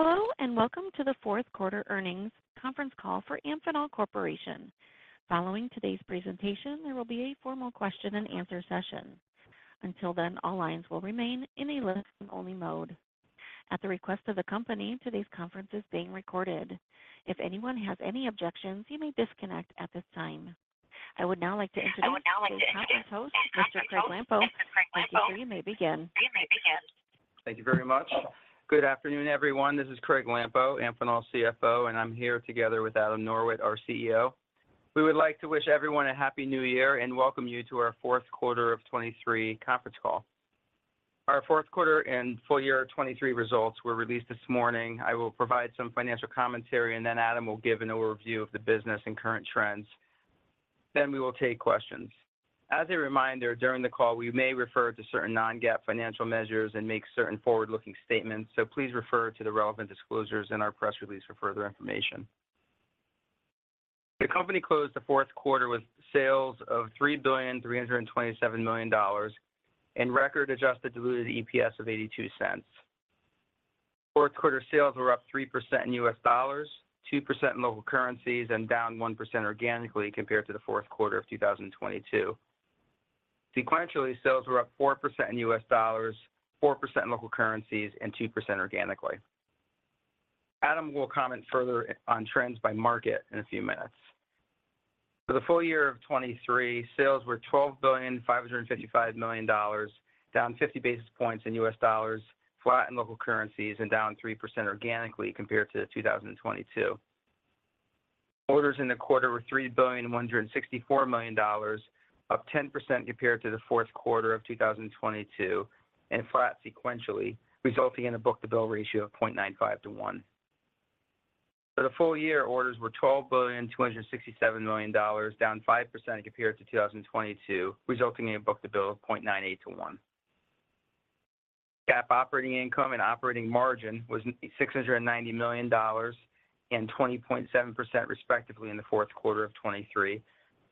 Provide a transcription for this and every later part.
Hello, and welcome to the fourth quarter earnings conference call for Amphenol Corporation. Following today's presentation, there will be a formal question-and-answer session. Until then, all lines will remain in a listen-only mode. At the request of the company, today's conference is being recorded. If anyone has any objections, you may disconnect at this time. I would now like to introduce your host, Mr. Craig Lampo. You may begin. Thank you very much. Good afternoon, everyone. This is Craig Lampo, Amphenol's CFO, and I'm here together with Adam Norwitt, our CEO. We would like to wish everyone a Happy New Year and welcome you to our fourth quarter of 2023 conference call. Our fourth quarter and full year 2023 results were released this morning. I will provide some financial commentary, and then Adam will give an overview of the business and current trends. Then we will take questions. As a reminder, during the call, we may refer to certain non-GAAP financial measures and make certain forward-looking statements, so please refer to the relevant disclosures in our press release for further information. The company closed the fourth quarter with sales of $3.327 billion and record adjusted diluted EPS of $0.82. Fourth quarter sales were up 3% in US dollars, 2% in local currencies, and down 1% organically compared to the fourth quarter of 2022. Sequentially, sales were up 4% in US dollars, 4% in local currencies, and 2% organically. Adam will comment further on trends by market in a few minutes. For the full year of 2023, sales were $12.555 billion, down 50 basis points in US dollars, flat in local currencies, and down 3% organically compared to 2022. Orders in the quarter were $3.164 billion, up 10% compared to the fourth quarter of 2022, and flat sequentially, resulting in a book-to-bill ratio of 0.95 to 1. For the full year, orders were $12.267 billion, down 5% compared to 2022, resulting in a Book-to-Bill of 0.98 to 1. GAAP operating income and operating margin was $690 million and 20.7%, respectively, in the fourth quarter of 2023,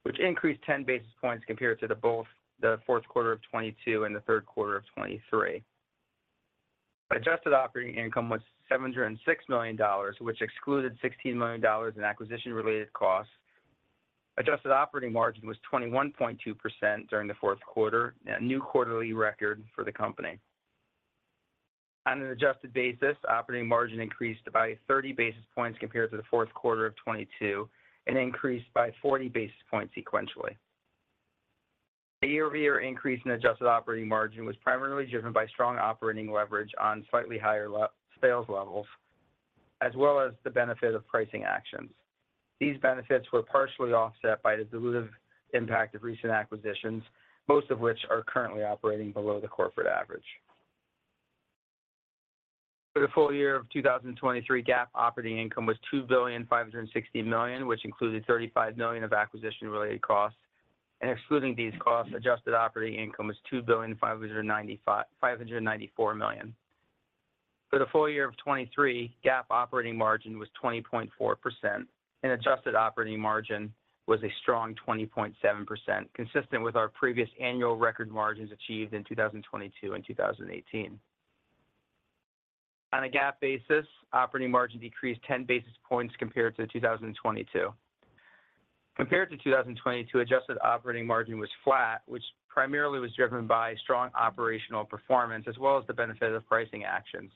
which increased 10 basis points compared to both the fourth quarter of 2022 and the third quarter of 2023. Adjusted operating income was $706 million, which excluded $16 million in acquisition-related costs. Adjusted operating margin was 21.2% during the fourth quarter, a new quarterly record for the company. On an adjusted basis, operating margin increased by 30 basis points compared to the fourth quarter of 2022 and increased by 40 basis points sequentially. The year-over-year increase in adjusted operating margin was primarily driven by strong operating leverage on slightly higher sales levels, as well as the benefit of pricing actions. These benefits were partially offset by the dilutive impact of recent acquisitions, most of which are currently operating below the corporate average. For the full year of 2023, GAAP operating income was $2.56 billion, which included $35 million of acquisition-related costs. Excluding these costs, adjusted operating income was $2.594 billion. For the full year of 2023, GAAP operating margin was 20.4%, and adjusted operating margin was a strong 20.7%, consistent with our previous annual record margins achieved in 2022 and 2018. On a GAAP basis, operating margin decreased 10 basis points compared to 2022. Compared to 2022, adjusted operating margin was flat, which primarily was driven by strong operational performance as well as the benefit of pricing actions,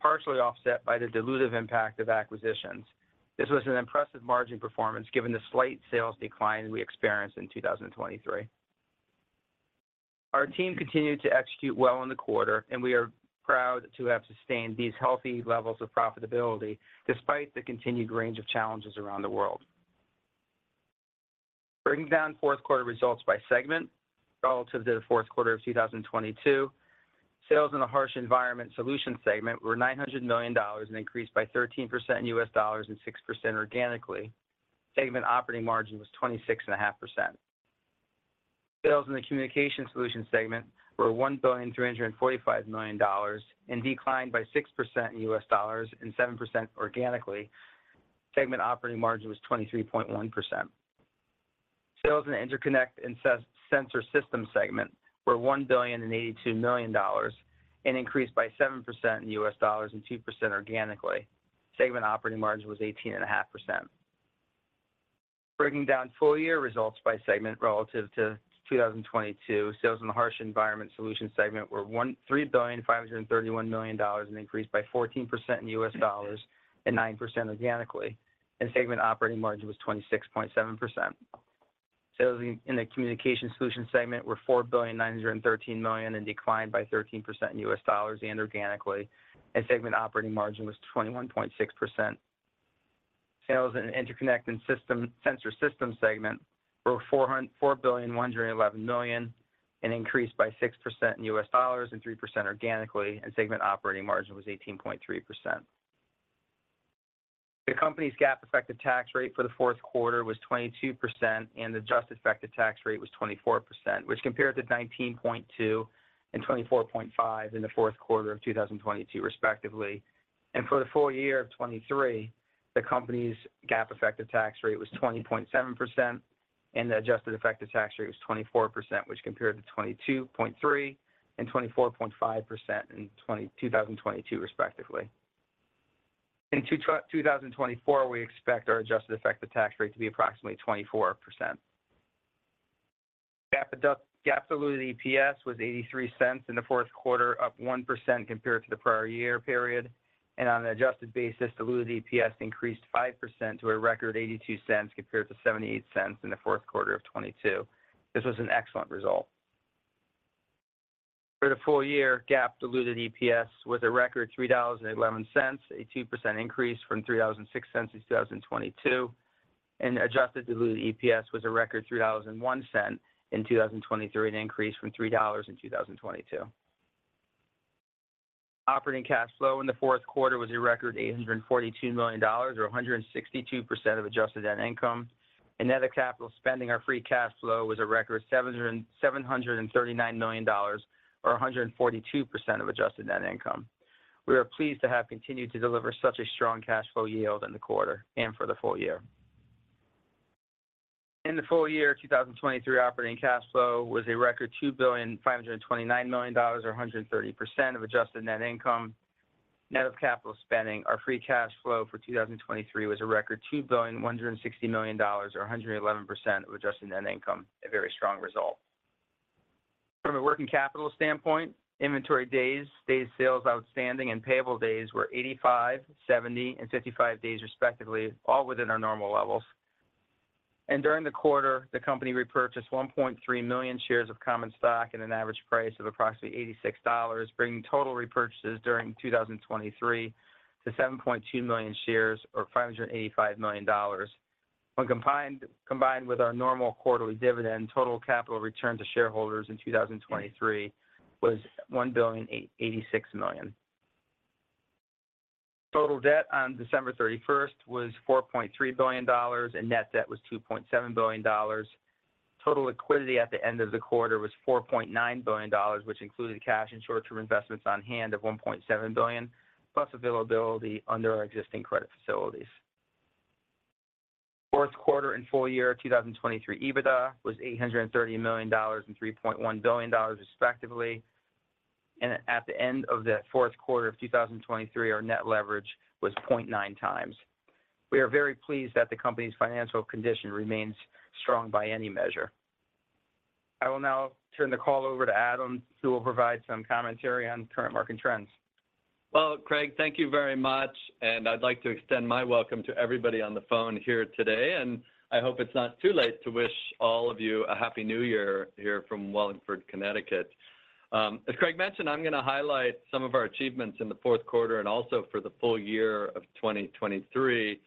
partially offset by the dilutive impact of acquisitions. This was an impressive margin performance given the slight sales decline we experienced in 2023. Our team continued to execute well in the quarter, and we are proud to have sustained these healthy levels of profitability despite the continued range of challenges around the world. Breaking down fourth quarter results by segment. Relative to the fourth quarter of 2022, sales in the Harsh Environment Solutions segment were $900 million and increased by 13% in U.S. dollars and 6% organically. Segment operating margin was 26.5%. Sales in the Communication Solutions segment were $1.345 billion and declined by 6% in US dollars and 7% organically. Segment operating margin was 23.1%. Sales in the Interconnect and Sensor Systems segment were $1.082 billion and increased by 7% in US dollars and 2% organically. Segment operating margin was 18.5%. Breaking down full-year results by segment relative to 2022, sales in the Harsh Environment Solutions segment were $3.531 billion, an increase by 14% in US dollars and 9% organically, and segment operating margin was 26.7%. Sales in the Communication Solutions segment were $4.913 billion and declined by 13% in US dollars and organically, and segment operating margin was 21.6%. Sales in the Interconnect and Sensor Systems segment were $4.111 billion, and increased by 6% in US dollars and 3% organically, and segment operating margin was 18.3%. The company's GAAP effective tax rate for the fourth quarter was 22%, and the adjusted effective tax rate was 24%, which compares to 19.2% and 24.5% in the fourth quarter of 2022, respectively. For the full year of 2023, the company's GAAP effective tax rate was 20.7%. The adjusted effective tax rate was 24%, which compared to 22.3% and 24.5% in 2022, respectively. In 2024, we expect our adjusted effective tax rate to be approximately 24%. GAAP diluted EPS was $0.83 in the fourth quarter, up 1% compared to the prior year period, and on an adjusted basis, diluted EPS increased 5% to a record $0.82, compared to $0.78 in the fourth quarter of 2022. This was an excellent result. For the full year, GAAP diluted EPS was a record $3.11, a 2% increase from $3.06 in 2022, and adjusted diluted EPS was a record $3.01 in 2023, an increase from $3 in 2022. Operating cash flow in the fourth quarter was a record $842 million, or 162% of adjusted net income. Net of capital spending, our free cash flow was a record $739 million or 142% of adjusted net income. We are pleased to have continued to deliver such a strong cash flow yield in the quarter and for the full year. In the full year of 2023, operating cash flow was a record $2.529 billion, or 130% of adjusted net income. Net of capital spending, our free cash flow for 2023 was a record $2.16 billion, or 111% of adjusted net income. A very strong result. From a working capital standpoint, inventory days, days sales outstanding, and payable days were 85, 70, and 55 days respectively, all within our normal levels. During the quarter, the company repurchased 1.3 million shares of common stock at an average price of approximately $86, bringing total repurchases during 2023 to 7.2 million shares or $585 million. When combined with our normal quarterly dividend, total capital return to shareholders in 2023 was $1.886 billion. Total debt on December 31 was $4.3 billion, and net debt was $2.7 billion. Total liquidity at the end of the quarter was $4.9 billion, which included cash and short-term investments on hand of $1.7 billion, plus availability under our existing credit facilities. Fourth quarter and full-year 2023 EBITDA was $830 million and $3.1 billion, respectively. At the end of the fourth quarter of 2023, our net leverage was 0.9x. We are very pleased that the company's financial condition remains strong by any measure. I will now turn the call over to Adam, who will provide some commentary on current market trends. Well, Craig, thank you very much, and I'd like to extend my welcome to everybody on the phone here today, and I hope it's not too late to wish all of you a Happy New Year here from Wallingford, Connecticut. As Craig mentioned, I'm going to highlight some of our achievements in the fourth quarter and also for the full year of 2023.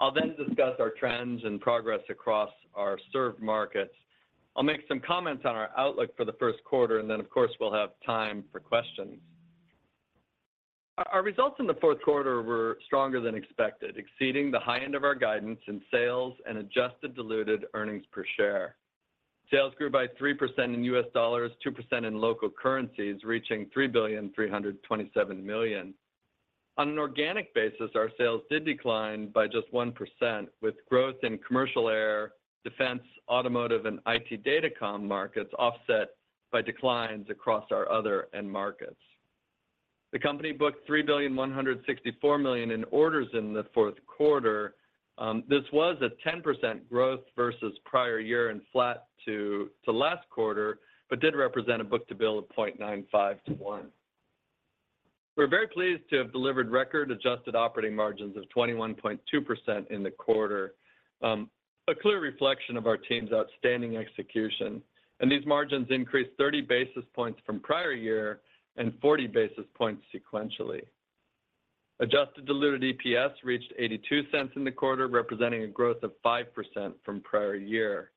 I'll then discuss our trends and progress across our served markets. I'll make some comments on our outlook for the first quarter, and then, of course, we'll have time for questions. Our results in the fourth quarter were stronger than expected, exceeding the high end of our guidance in sales and adjusted diluted earnings per share. Sales grew by 3% in US dollars, 2% in local currencies, reaching $3.327 billion. On an organic basis, our sales did decline by just 1%, with growth in commercial, air, defense, automotive, and IT Datacom markets offset by declines across our other end markets. The company booked $3.164 billion in orders in the fourth quarter. This was a 10% growth versus prior year and flat to last quarter, but did represent a book-to-bill of 0.95 to 1. We're very pleased to have delivered record adjusted operating margins of 21.2% in the quarter. A clear reflection of our team's outstanding execution, and these margins increased 30 basis points from prior year and 40 basis points sequentially. Adjusted diluted EPS reached $0.82 in the quarter, representing a growth of 5% from prior year.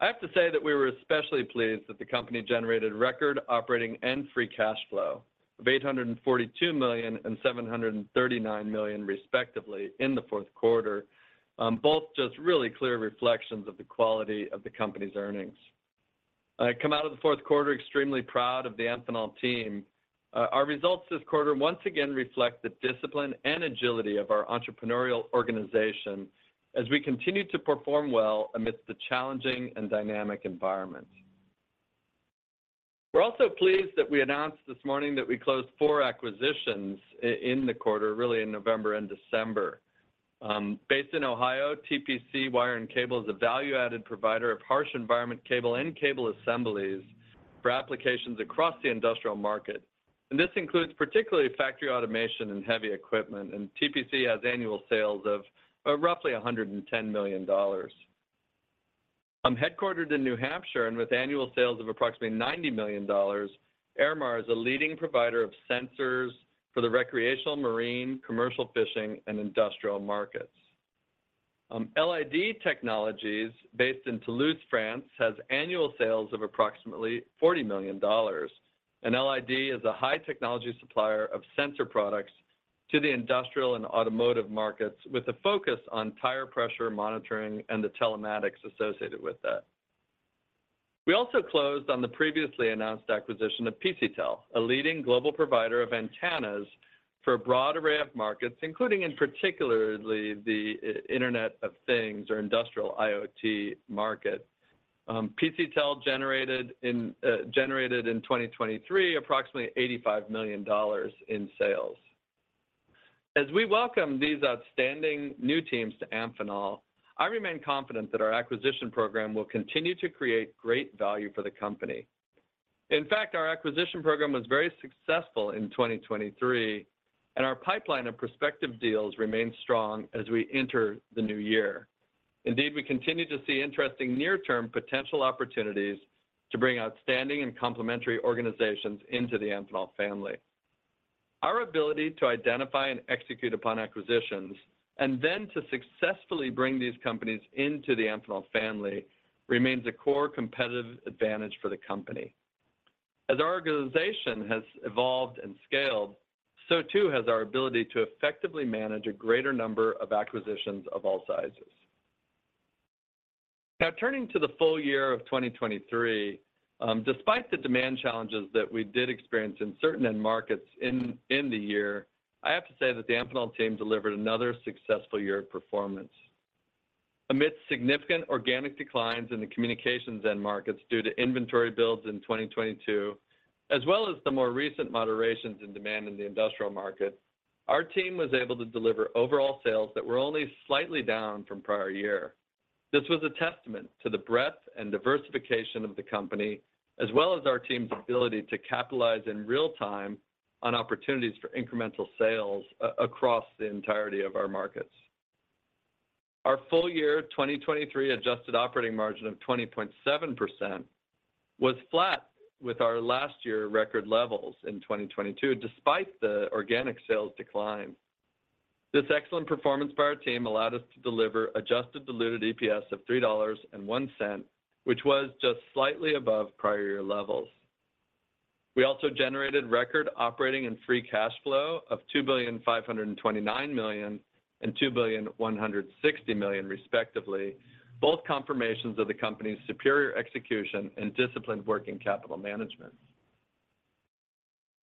I have to say that we were especially pleased that the company generated record operating and free cash flow of $842 million and $739 million, respectively, in the fourth quarter. Both just really clear reflections of the quality of the company's earnings. I come out of the fourth quarter extremely proud of the Amphenol team. Our results this quarter once again reflect the discipline and agility of our entrepreneurial organization as we continue to perform well amidst the challenging and dynamic environment. We're also pleased that we announced this morning that we closed four acquisitions in the quarter, really in November and December. Based in Ohio, TPC Wire and Cable is a value-added provider of harsh environment cable and cable assemblies for applications across the industrial market. This includes particularly factory automation and heavy equipment, and TPC has annual sales of roughly $110 million. Headquartered in New Hampshire, and with annual sales of approximately $90 million, Airmar is a leading provider of sensors for the recreational, marine, commercial fishing, and industrial markets. LID Technologies, based in Toulouse, France, has annual sales of approximately $40 million, and LID is a high technology supplier of sensor products to the industrial and automotive markets, with a focus on tire pressure monitoring and the telematics associated with that... We also closed on the previously announced acquisition of PCTEL, a leading global provider of antennas for a broad array of markets, including in particularly the Internet of Things or industrial IoT market. PCTEL generated in 2023 approximately $85 million in sales. As we welcome these outstanding new teams to Amphenol, I remain confident that our acquisition program will continue to create great value for the company. In fact, our acquisition program was very successful in 2023, and our pipeline of prospective deals remains strong as we enter the new year. Indeed, we continue to see interesting near-term potential opportunities to bring outstanding and complementary organizations into the Amphenol family. Our ability to identify and execute upon acquisitions, and then to successfully bring these companies into the Amphenol family, remains a core competitive advantage for the company. As our organization has evolved and scaled, so too has our ability to effectively manage a greater number of acquisitions of all sizes. Now, turning to the full year of 2023, despite the demand challenges that we did experience in certain end markets in the year, I have to say that the Amphenol team delivered another successful year of performance. Amidst significant organic declines in the communications end markets due to inventory builds in 2022, as well as the more recent moderations in demand in the industrial market, our team was able to deliver overall sales that were only slightly down from prior year. This was a testament to the breadth and diversification of the company, as well as our team's ability to capitalize in real time on opportunities for incremental sales across the entirety of our markets. Our full year 2023 adjusted operating margin of 20.7% was flat with our last year record levels in 2022, despite the organic sales decline. This excellent performance by our team allowed us to deliver Adjusted Diluted EPS of $3.01, which was just slightly above prior year levels. We also generated record Operating and Free Cash Flow of $2.529 billion and $2.16 billion, respectively, both confirmations of the company's superior execution and disciplined working capital management.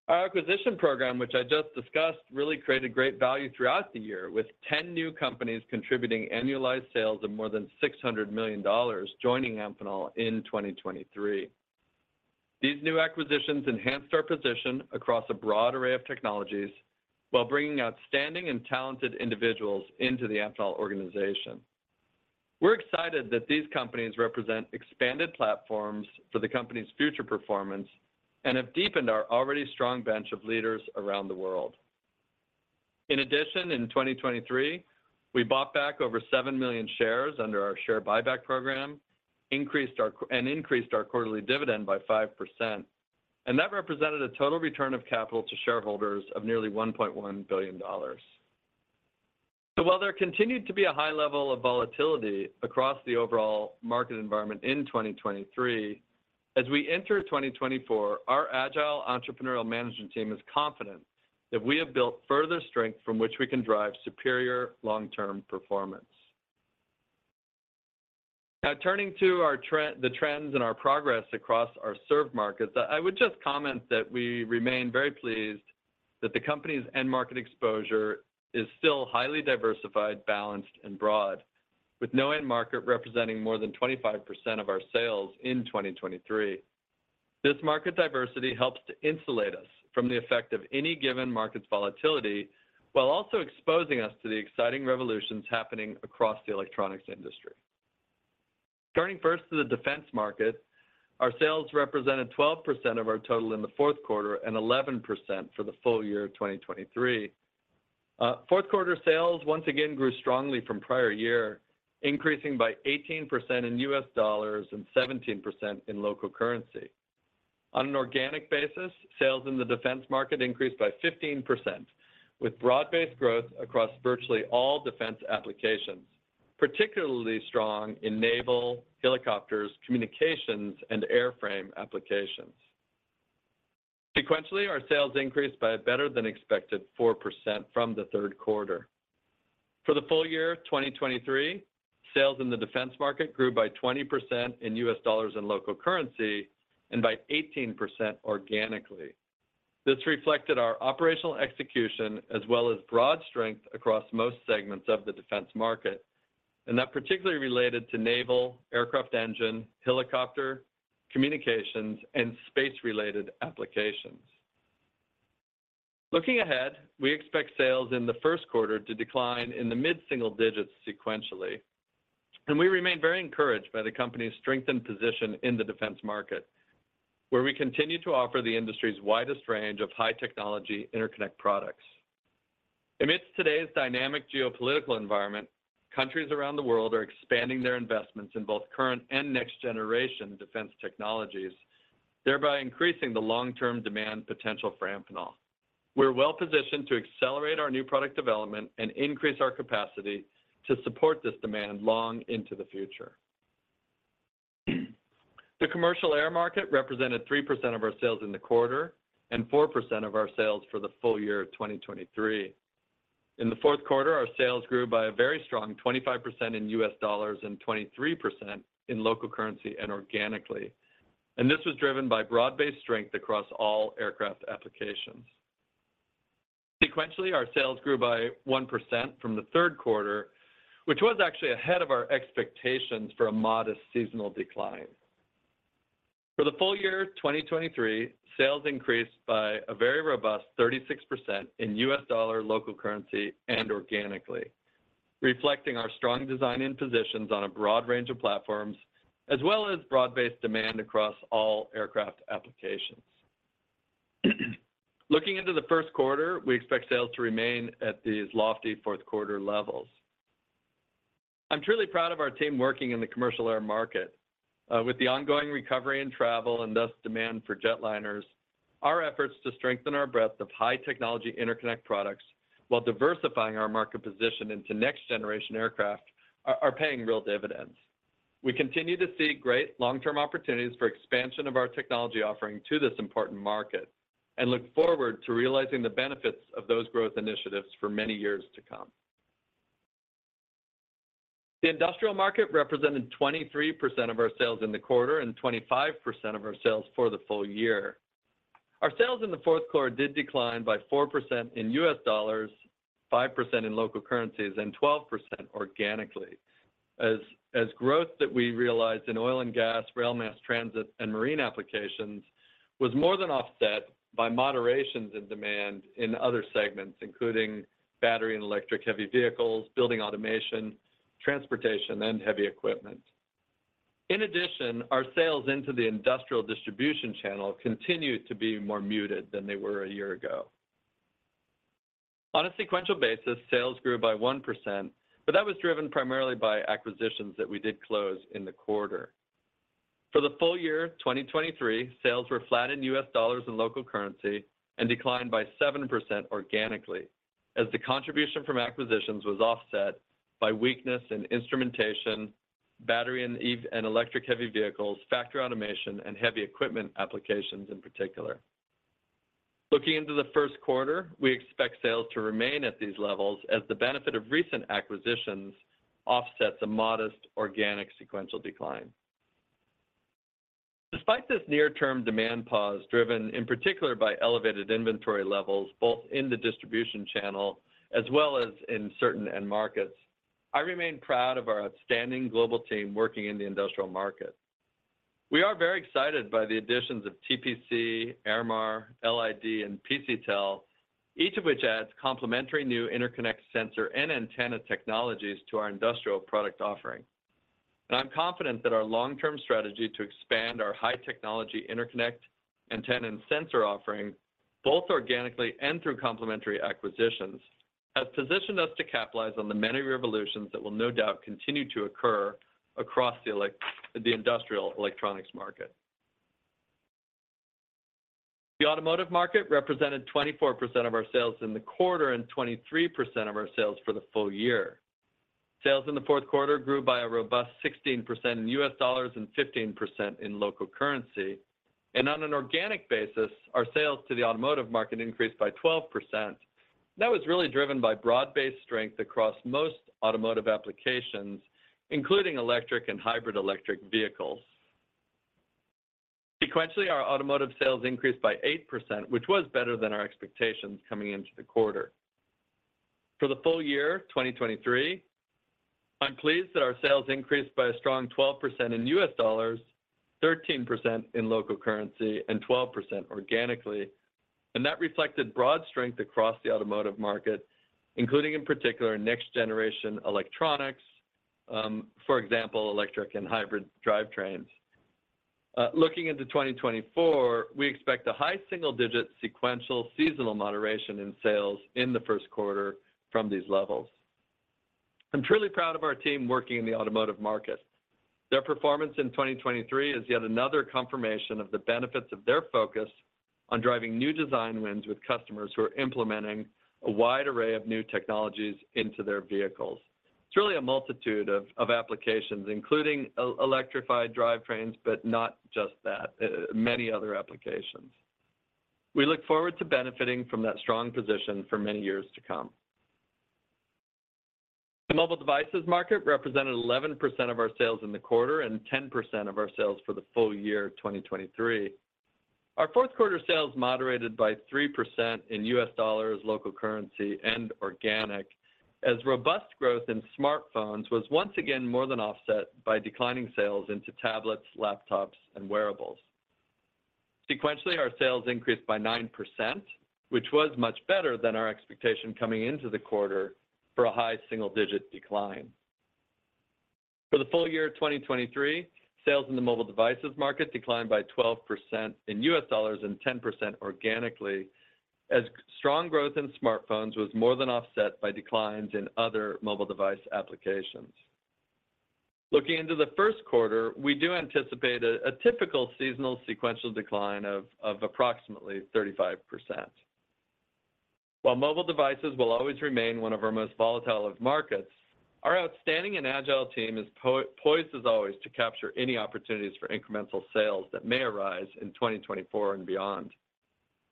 Our acquisition program, which I just discussed, really created great value throughout the year, with 10 new companies contributing annualized sales of more than $600 million, joining Amphenol in 2023. These new acquisitions enhanced our position across a broad array of technologies while bringing outstanding and talented individuals into the Amphenol organization. We're excited that these companies represent expanded platforms for the company's future performance and have deepened our already strong bench of leaders around the world. In addition, in 2023, we bought back over 7 million shares under our share buyback program, increased our quarterly dividend by 5%, and that represented a total return of capital to shareholders of nearly $1.1 billion. So while there continued to be a high level of volatility across the overall market environment in 2023, as we enter 2024, our agile entrepreneurial management team is confident that we have built further strength from which we can drive superior long-term performance. Now, turning to the trends and our progress across our served markets, I would just comment that we remain very pleased that the company's end market exposure is still highly diversified, balanced, and broad, with no end market representing more than 25% of our sales in 2023. This market diversity helps to insulate us from the effect of any given market's volatility, while also exposing us to the exciting revolutions happening across the electronics industry. Turning first to the defense market, our sales represented 12% of our total in the fourth quarter and 11% for the full year of 2023. Fourth quarter sales once again grew strongly from prior year, increasing by 18% in U.S. dollars and 17% in local currency. On an organic basis, sales in the defense market increased by 15%, with broad-based growth across virtually all defense applications, particularly strong in naval, helicopters, communications, and airframe applications. Sequentially, our sales increased by a better-than-expected 4% from the third quarter. For the full year of 2023, sales in the defense market grew by 20% in U.S. dollars and local currency, and by 18% organically. This reflected our operational execution, as well as broad strength across most segments of the defense market, and that particularly related to naval, aircraft engine, helicopter, communications, and space-related applications. Looking ahead, we expect sales in the first quarter to decline in the mid-single digits sequentially, and we remain very encouraged by the company's strengthened position in the defense market, where we continue to offer the industry's widest range of high-technology interconnect products. Amidst today's dynamic geopolitical environment, countries around the world are expanding their investments in both current and next-generation defense technologies, thereby increasing the long-term demand potential for Amphenol. We're well positioned to accelerate our new product development and increase our capacity to support this demand long into the future. The commercial air market represented 3% of our sales in the quarter and 4% of our sales for the full year of 2023. In the fourth quarter, our sales grew by a very strong 25% in US dollars and 23% in local currency and organically. This was driven by broad-based strength across all aircraft applications. Sequentially, our sales grew by 1% from the third quarter, which was actually ahead of our expectations for a modest seasonal decline. For the full year 2023, sales increased by a very robust 36% in US dollar, local currency, and organically, reflecting our strong design and positions on a broad range of platforms, as well as broad-based demand across all aircraft applications. Looking into the first quarter, we expect sales to remain at these lofty fourth quarter levels. I'm truly proud of our team working in the commercial air market. With the ongoing recovery in travel and thus demand for jetliners, our efforts to strengthen our breadth of high technology interconnect products while diversifying our market position into next generation aircraft are paying real dividends. We continue to see great long-term opportunities for expansion of our technology offering to this important market, and look forward to realizing the benefits of those growth initiatives for many years to come. The industrial market represented 23% of our sales in the quarter and 25% of our sales for the full year. Our sales in the fourth quarter did decline by 4% in U.S. dollars, 5% in local currencies, and 12% organically. Growth that we realized in oil and gas, rail, mass transit, and marine applications was more than offset by moderations in demand in other segments, including battery and electric-heavy vehicles, building automation, transportation, and heavy equipment. In addition, our sales into the industrial distribution channel continued to be more muted than they were a year ago. On a sequential basis, sales grew by 1%, but that was driven primarily by acquisitions that we did close in the quarter. For the full year 2023, sales were flat in U.S. dollars and in local currency and declined by 7% organically, as the contribution from acquisitions was offset by weakness in instrumentation, battery and EV and electric heavy vehicles, factory automation, and heavy equipment applications in particular. Looking into the first quarter, we expect sales to remain at these levels as the benefit of recent acquisitions offsets a modest organic sequential decline. Despite this near-term demand pause, driven in particular by elevated inventory levels, both in the distribution channel as well as in certain end markets, I remain proud of our outstanding global team working in the industrial market. We are very excited by the additions of TPC, AIRMAR, LID, and PCTEL, each of which adds complementary new interconnect sensor and antenna technologies to our industrial product offering. I'm confident that our long-term strategy to expand our high technology interconnect, antenna, and sensor offering, both organically and through complementary acquisitions, has positioned us to capitalize on the many revolutions that will no doubt continue to occur across the industrial electronics market. The automotive market represented 24% of our sales in the quarter and 23% of our sales for the full year. Sales in the fourth quarter grew by a robust 16% in U.S. dollars and 15% in local currency, and on an organic basis, our sales to the automotive market increased by 12%. That was really driven by broad-based strength across most automotive applications, including electric and hybrid electric vehicles. Sequentially, our automotive sales increased by 8%, which was better than our expectations coming into the quarter. For the full year, 2023, I'm pleased that our sales increased by a strong 12% in U.S. dollars, 13% in local currency, and 12% organically, and that reflected broad strength across the automotive market, including in particular, next generation electronics, for example, electric and hybrid drivetrains. Looking into 2024, we expect a high single-digit sequential seasonal moderation in sales in the first quarter from these levels. I'm truly proud of our team working in the automotive market. Their performance in 2023 is yet another confirmation of the benefits of their focus on driving new design wins with customers who are implementing a wide array of new technologies into their vehicles. It's really a multitude of applications, including electrified drivetrains, but not just that, many other applications. We look forward to benefiting from that strong position for many years to come. The mobile devices market represented 11% of our sales in the quarter and 10% of our sales for the full year of 2023. Our fourth quarter sales moderated by 3% in U.S. dollars, local currency, and organic, as robust growth in smartphones was once again more than offset by declining sales into tablets, laptops, and wearables. Sequentially, our sales increased by 9%, which was much better than our expectation coming into the quarter for a high single-digit decline. For the full year of 2023, sales in the mobile devices market declined by 12% in U.S. dollars and 10% organically, as strong growth in smartphones was more than offset by declines in other mobile device applications. Looking into the first quarter, we do anticipate a typical seasonal sequential decline of approximately 35%. While mobile devices will always remain one of our most volatile of markets-... Our outstanding and agile team is poised as always to capture any opportunities for incremental sales that may arise in 2024 and beyond.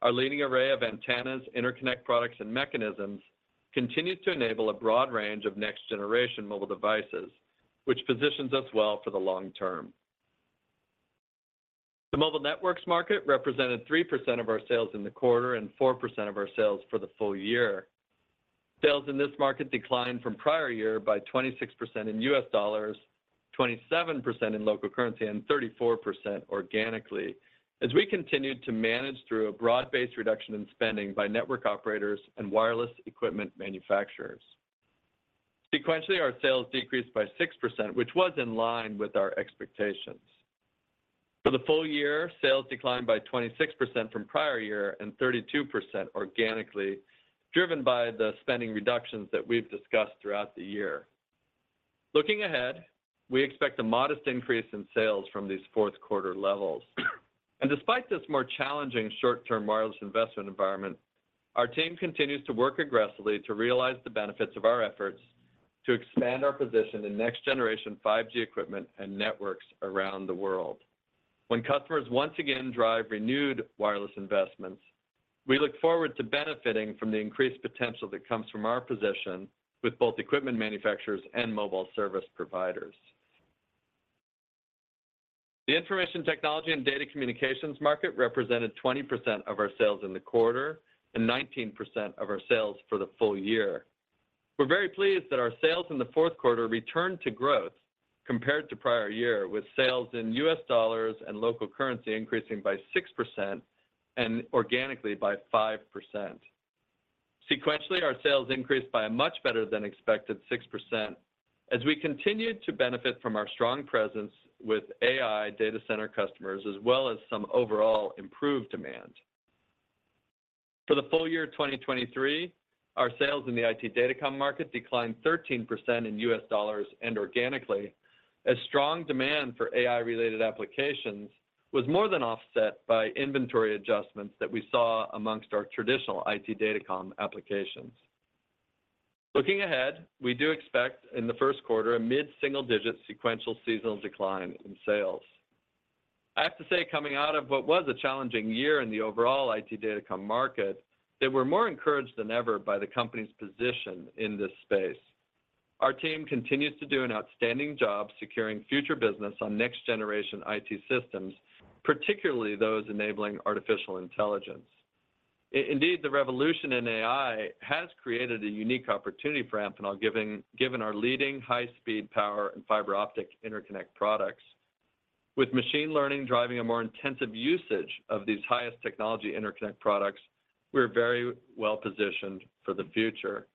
Our leading array of antennas, interconnect products, and sensors continue to enable a broad range of next-generation mobile devices, which positions us well for the long term. The mobile networks market represented 3% of our sales in the quarter and 4% of our sales for the full year. Sales in this market declined from prior year by 26% in U.S. dollars, 27% in local currency, and 34% organically, as we continued to manage through a broad-based reduction in spending by network operators and wireless equipment manufacturers. Sequentially, our sales decreased by 6%, which was in line with our expectations. For the full year, sales declined by 26% from prior year and 32% organically, driven by the spending reductions that we've discussed throughout the year. Looking ahead, we expect a modest increase in sales from these fourth quarter levels. Despite this more challenging short-term wireless investment environment, our team continues to work aggressively to realize the benefits of our efforts to expand our position in next-generation 5G equipment and networks around the world. When customers once again drive renewed wireless investments, we look forward to benefiting from the increased potential that comes from our position with both equipment manufacturers and mobile service providers. The information technology and data communications market represented 20% of our sales in the quarter and 19% of our sales for the full year. We're very pleased that our sales in the fourth quarter returned to growth compared to prior year, with sales in U.S. dollars and local currency increasing by 6% and organically by 5%. Sequentially, our sales increased by a much better than expected 6%, as we continued to benefit from our strong presence with AI data center customers, as well as some overall improved demand. For the full year 2023, our sales in the IT Datacom market declined 13% in U.S. dollars and organically, as strong demand for AI-related applications was more than offset by inventory adjustments that we saw amongst our traditional IT Datacom applications. Looking ahead, we do expect in the first quarter a mid-single-digit sequential seasonal decline in sales. I have to say, coming out of what was a challenging year in the overall IT Datacom market, that we're more encouraged than ever by the company's position in this space. Our team continues to do an outstanding job securing future business on next-generation IT systems, particularly those enabling artificial intelligence. Indeed, the revolution in AI has created a unique opportunity for Amphenol, given our leading high-speed power and fiber optic interconnect products. With machine learning driving a more intensive usage of these highest technology interconnect products, we're very well positioned for the future.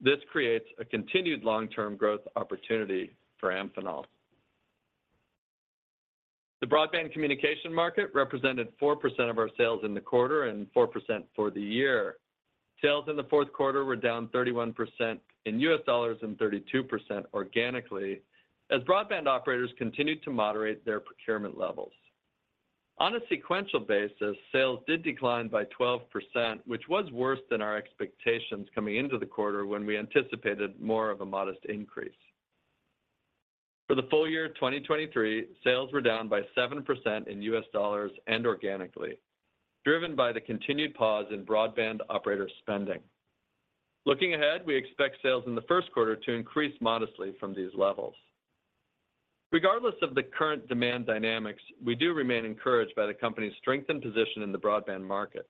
This creates a continued long-term growth opportunity for Amphenol. The broadband communication market represented 4% of our sales in the quarter and 4% for the year. Sales in the fourth quarter were down 31% in U.S. dollars and 32% organically, as broadband operators continued to moderate their procurement levels. On a sequential basis, sales did decline by 12%, which was worse than our expectations coming into the quarter when we anticipated more of a modest increase. For the full year 2023, sales were down by 7% in U.S. dollars and organically, driven by the continued pause in broadband operator spending. Looking ahead, we expect sales in the first quarter to increase modestly from these levels. Regardless of the current demand dynamics, we do remain encouraged by the company's strength and position in the broadband market.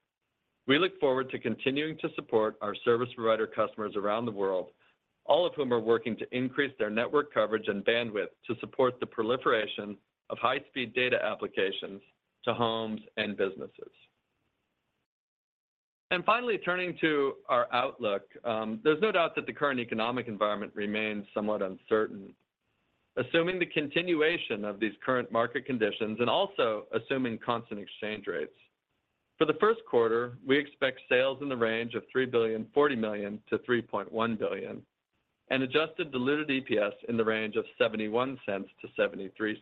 We look forward to continuing to support our service provider customers around the world, all of whom are working to increase their network coverage and bandwidth to support the proliferation of high-speed data applications to homes and businesses. And finally, turning to our outlook, there's no doubt that the current economic environment remains somewhat uncertain. Assuming the continuation of these current market conditions and also assuming constant exchange rates, for the first quarter, we expect sales in the range of $3.04 billion-$3.1 billion and adjusted diluted EPS in the range of $0.71-$0.73.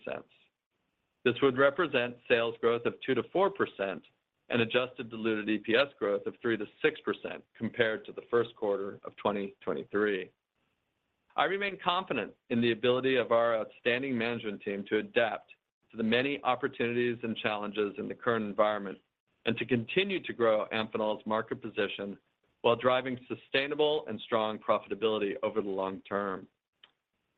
This would represent sales growth of 2%-4% and adjusted diluted EPS growth of 3%-6% compared to the first quarter of 2023. I remain confident in the ability of our outstanding management team to adapt to the many opportunities and challenges in the current environment and to continue to grow Amphenol's market position while driving sustainable and strong profitability over the long term.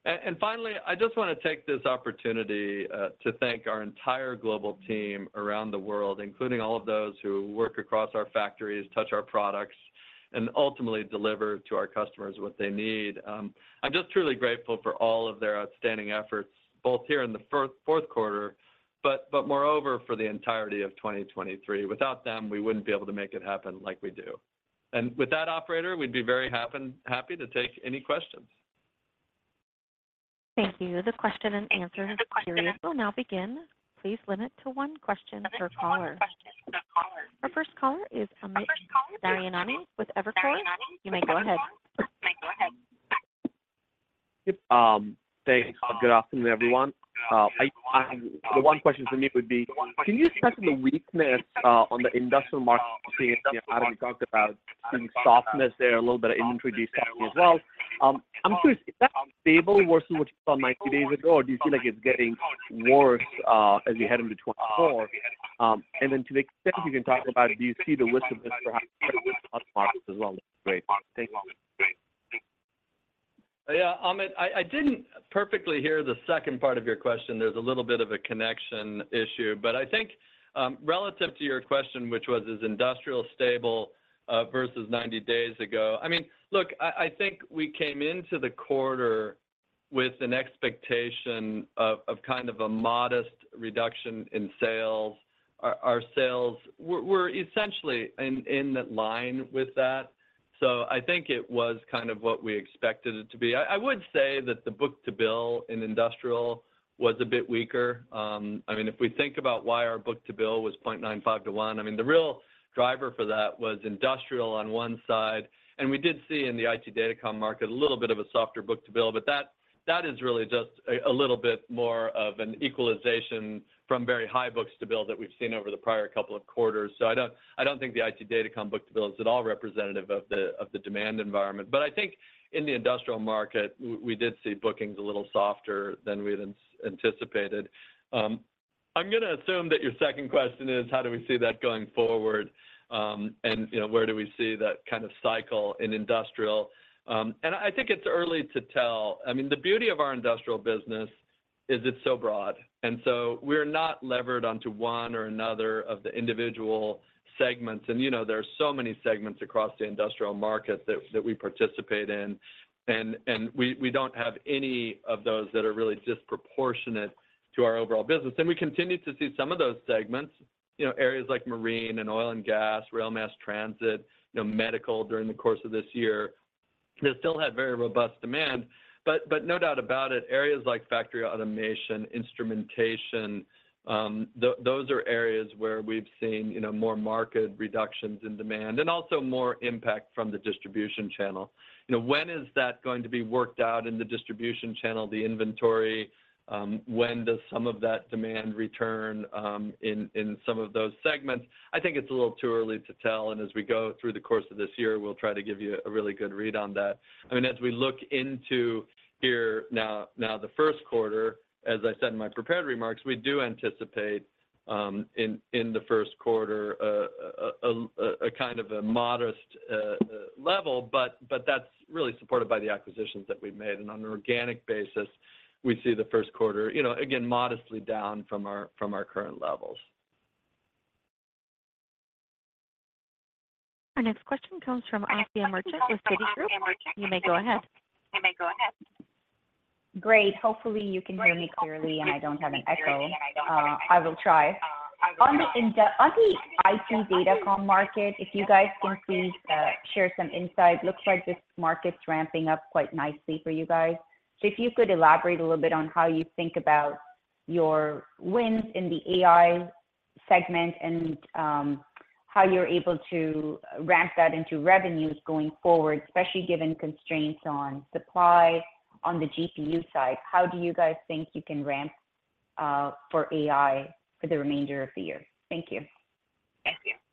And finally, I just want to take this opportunity to thank our entire global team around the world, including all of those who work across our factories, touch our products, and ultimately deliver to our customers what they need. I'm just truly grateful for all of their outstanding efforts, both here in the fourth quarter, but moreover, for the entirety of 2023. Without them, we wouldn't be able to make it happen like we do. And with that operator, we'd be very happy to take any questions. Thank you. The question and answer period will now begin. Please limit to one question per caller. Our first caller is Amit Daryanani with Evercore. You may go ahead.... Thanks. Good afternoon, everyone. The one question for me would be: Can you discuss the weakness on the industrial market? You talked about some softness there, a little bit of inventory decreasing as well. I'm curious, is that stable worse than what you saw 90 days ago, or do you feel like it's getting worse as we head into 2024? And then to the extent you can talk about it, do you see the weakness of this perhaps in other markets as well? Great. Thanks. Yeah, Amit, I didn't perfectly hear the second part of your question. There's a little bit of a connection issue. But I think, relative to your question, which was, is industrial stable versus 90 days ago? I mean, look, I think we came into the quarter with an expectation of kind of a modest reduction in sales. Our sales were essentially in line with that, so I think it was kind of what we expected it to be. I would say that the book-to-bill in industrial was a bit weaker. I mean, if we think about why our book-to-bill was 0.95 to 1, I mean, the real driver for that was industrial on one side, and we did see in the IT Datacom market a little bit of a softer book-to-bill. But that is really just a little bit more of an equalization from very high book-to-bill that we've seen over the prior couple of quarters. So I don't think the IT Datacom book-to-bill is at all representative of the demand environment. But I think in the industrial market, we did see bookings a little softer than we had anticipated. I'm gonna assume that your second question is, how do we see that going forward? And you know, where do we see that kind of cycle in industrial? And I think it's early to tell. I mean, the beauty of our industrial business is it's so broad, and so we're not levered onto one or another of the individual segments. You know, there are so many segments across the industrial market that we participate in, and we don't have any of those that are really disproportionate to our overall business. We continue to see some of those segments, you know, areas like marine and oil and gas, rail, mass transit, you know, medical during the course of this year; they still have very robust demand. But no doubt about it, areas like factory automation, instrumentation, those are areas where we've seen, you know, more market reductions in demand and also more impact from the distribution channel. You know, when is that going to be worked out in the distribution channel, the inventory? When does some of that demand return in some of those segments? I think it's a little too early to tell, and as we go through the course of this year, we'll try to give you a really good read on that. I mean, as we look into here now, the first quarter, as I said in my prepared remarks, we do anticipate in the first quarter a kind of a modest level, but that's really supported by the acquisitions that we've made. And on an organic basis, we see the first quarter, you know, again, modestly down from our current levels. Our next question comes from Asiya Merchant with Citigroup. You may go ahead. Great. Hopefully, you can hear me clearly, and I don't have an echo. I will try. On the IT Datacom market, if you guys can please share some insight. Looks like this market's ramping up quite nicely for you guys. So if you could elaborate a little bit on how you think about your wins in the AI segment and how you're able to ramp that into revenues going forward, especially given constraints on supply on the GPU side. How do you guys think you can ramp for AI for the remainder of the year? Thank you.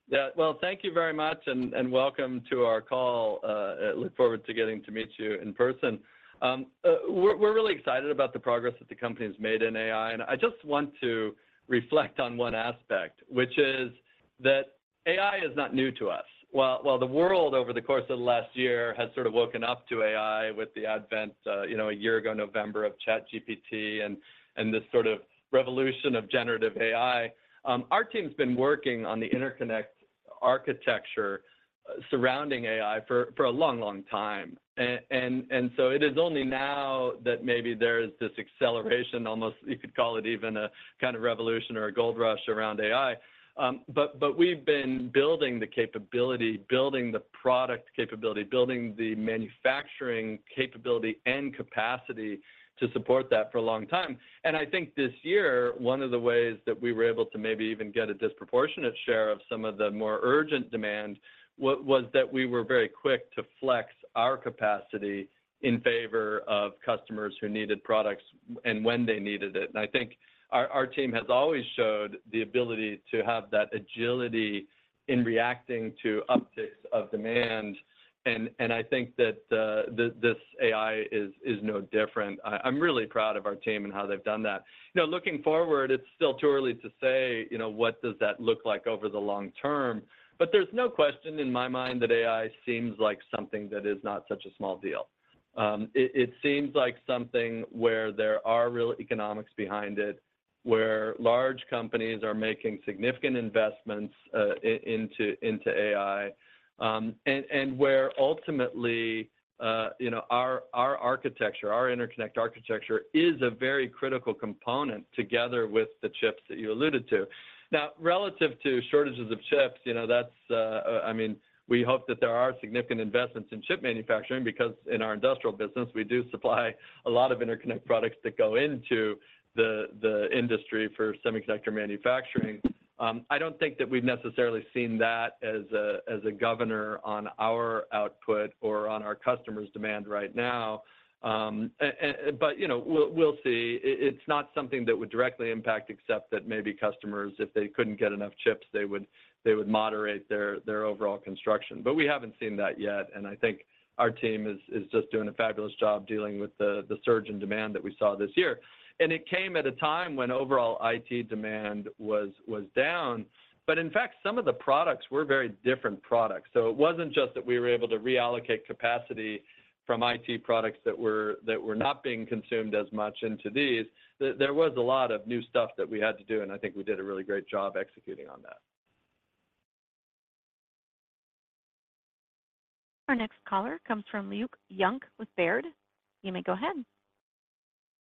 Yeah. Well, thank you very much, and welcome to our call. I look forward to getting to meet you in person. We're really excited about the progress that the company has made in AI, and I just want to reflect on one aspect, which is that AI is not new to us. While the world over the course of the last year has sort of woken up to AI with the advent, you know, a year ago, November, of ChatGPT and this sort of revolution of generative AI, our team's been working on the interconnect architecture surrounding AI for a long, long time. And so it is only now that maybe there is this acceleration, almost, you could call it even a kind of revolution or a gold rush around AI. But we've been building the capability, building the product capability, building the manufacturing capability and capacity to support that for a long time. And I think this year, one of the ways that we were able to maybe even get a disproportionate share of some of the more urgent demand, was that we were very quick to flex our capacity in favor of customers who needed products and when they needed it. And I think our team has always showed the ability to have that agility in reacting to upticks of demand, and I think that this AI is no different. I'm really proud of our team and how they've done that. Now, looking forward, it's still too early to say, you know, what does that look like over the long term, but there's no question in my mind that AI seems like something that is not such a small deal. It seems like something where there are real economics behind it... where large companies are making significant investments into AI, and where ultimately, you know, our architecture, our interconnect architecture is a very critical component together with the chips that you alluded to. Now, relative to shortages of chips, you know, that's, I mean, we hope that there are significant investments in chip manufacturing, because in our industrial business, we do supply a lot of interconnect products that go into the industry for semiconductor manufacturing. I don't think that we've necessarily seen that as a, as a governor on our output or on our customers' demand right now. And, but, you know, we'll, we'll see. It, it's not something that would directly impact, except that maybe customers, if they couldn't get enough chips, they would-- they would moderate their, their overall construction. But we haven't seen that yet, and I think our team is, is just doing a fabulous job dealing with the, the surge in demand that we saw this year. And it came at a time when overall IT demand was, was down. But in fact, some of the products were very different products. So it wasn't just that we were able to reallocate capacity from IT products that were, that were not being consumed as much into these. There was a lot of new stuff that we had to do, and I think we did a really great job executing on that. Our next caller comes from Luke Junk with Baird. You may go ahead.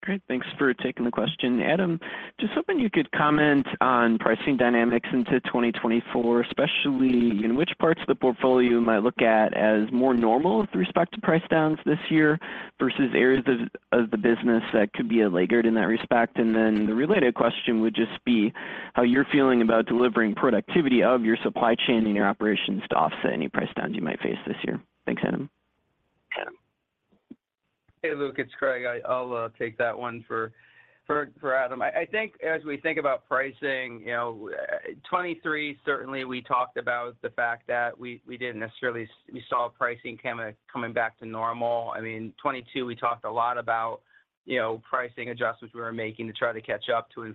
Great, thanks for taking the question. Adam, just hoping you could comment on pricing dynamics into 2024, especially in which parts of the portfolio you might look at as more normal with respect to price downs this year, versus areas of the business that could be a laggard in that respect? And then the related question would just be, how you're feeling about delivering productivity of your supply chain and your operations to offset any price downs you might face this year? Thanks, Adam. Adam. Hey, Luke, it's Craig. I'll take that one for Adam. I think as we think about pricing, you know, 2023, certainly we talked about the fact that we didn't necessarily, we saw pricing coming back to normal. I mean, 2022, we talked a lot about, you know, pricing adjustments we were making to try to catch up to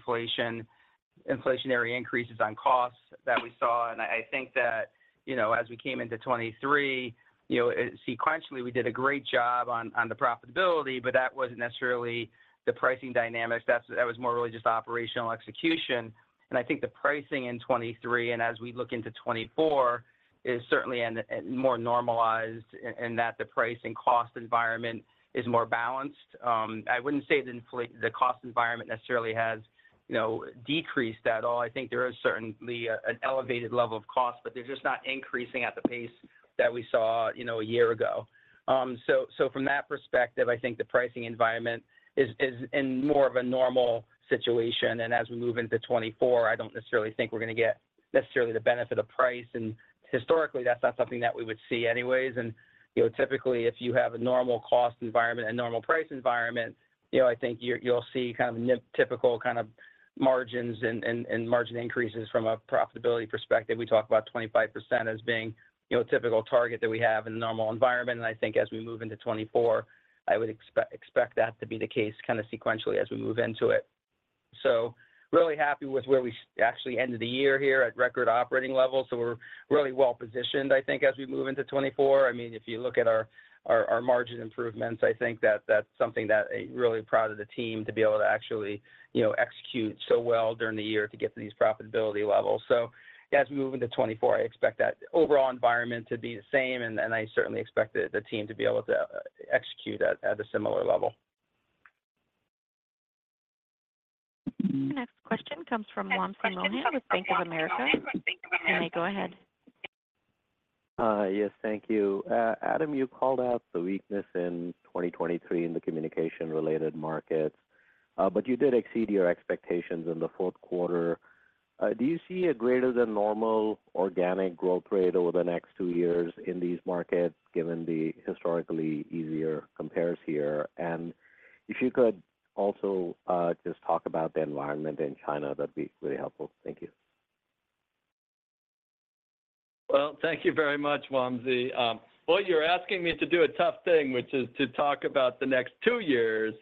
inflationary increases on costs that we saw. And I think that, you know, as we came into 2023, you know, sequentially, we did a great job on the profitability, but that wasn't necessarily the pricing dynamics. That was more really just operational execution. And I think the pricing in 2023, and as we look into 2024, is certainly a more normalized in that the pricing cost environment is more balanced. I wouldn't say the cost environment necessarily has, you know, decreased at all. I think there is certainly an elevated level of cost, but they're just not increasing at the pace that we saw, you know, a year ago. So from that perspective, I think the pricing environment is in more of a normal situation. And as we move into 2024, I don't necessarily think we're going to get necessarily the benefit of price. And historically, that's not something that we would see anyways. And, you know, typically, if you have a normal cost environment and normal price environment, you know, I think you'll see kind of typical kind of margins and margin increases from a profitability perspective. We talk about 25% as being, you know, a typical target that we have in a normal environment. And I think as we move into 2024, I would expect, expect that to be the case sequentially as we move into it. So really happy with where we actually ended the year here at record operating levels. So we're really well positioned, I think, as we move into 2024. I mean, if you look at our margin improvements, I think that that's something that I'm really proud of the team to be able to actually, you know, execute so well during the year to get to these profitability levels. So as we move into 2024, I expect that overall environment to be the same, and I certainly expect the team to be able to execute at a similar level. The next question comes from Wamsi Mohan, with Bank of America. You may go ahead. Yes, thank you. Adam, you called out the weakness in 2023 in the communication-related markets, but you did exceed your expectations in the fourth quarter. Do you see a greater than normal organic growth rate over the next two years in these markets, given the historically easier compares here? And if you could also just talk about the environment in China, that'd be really helpful. Thank you. Well, thank you very much, Wamsi. Well, you're asking me to do a tough thing, which is to talk about the next two years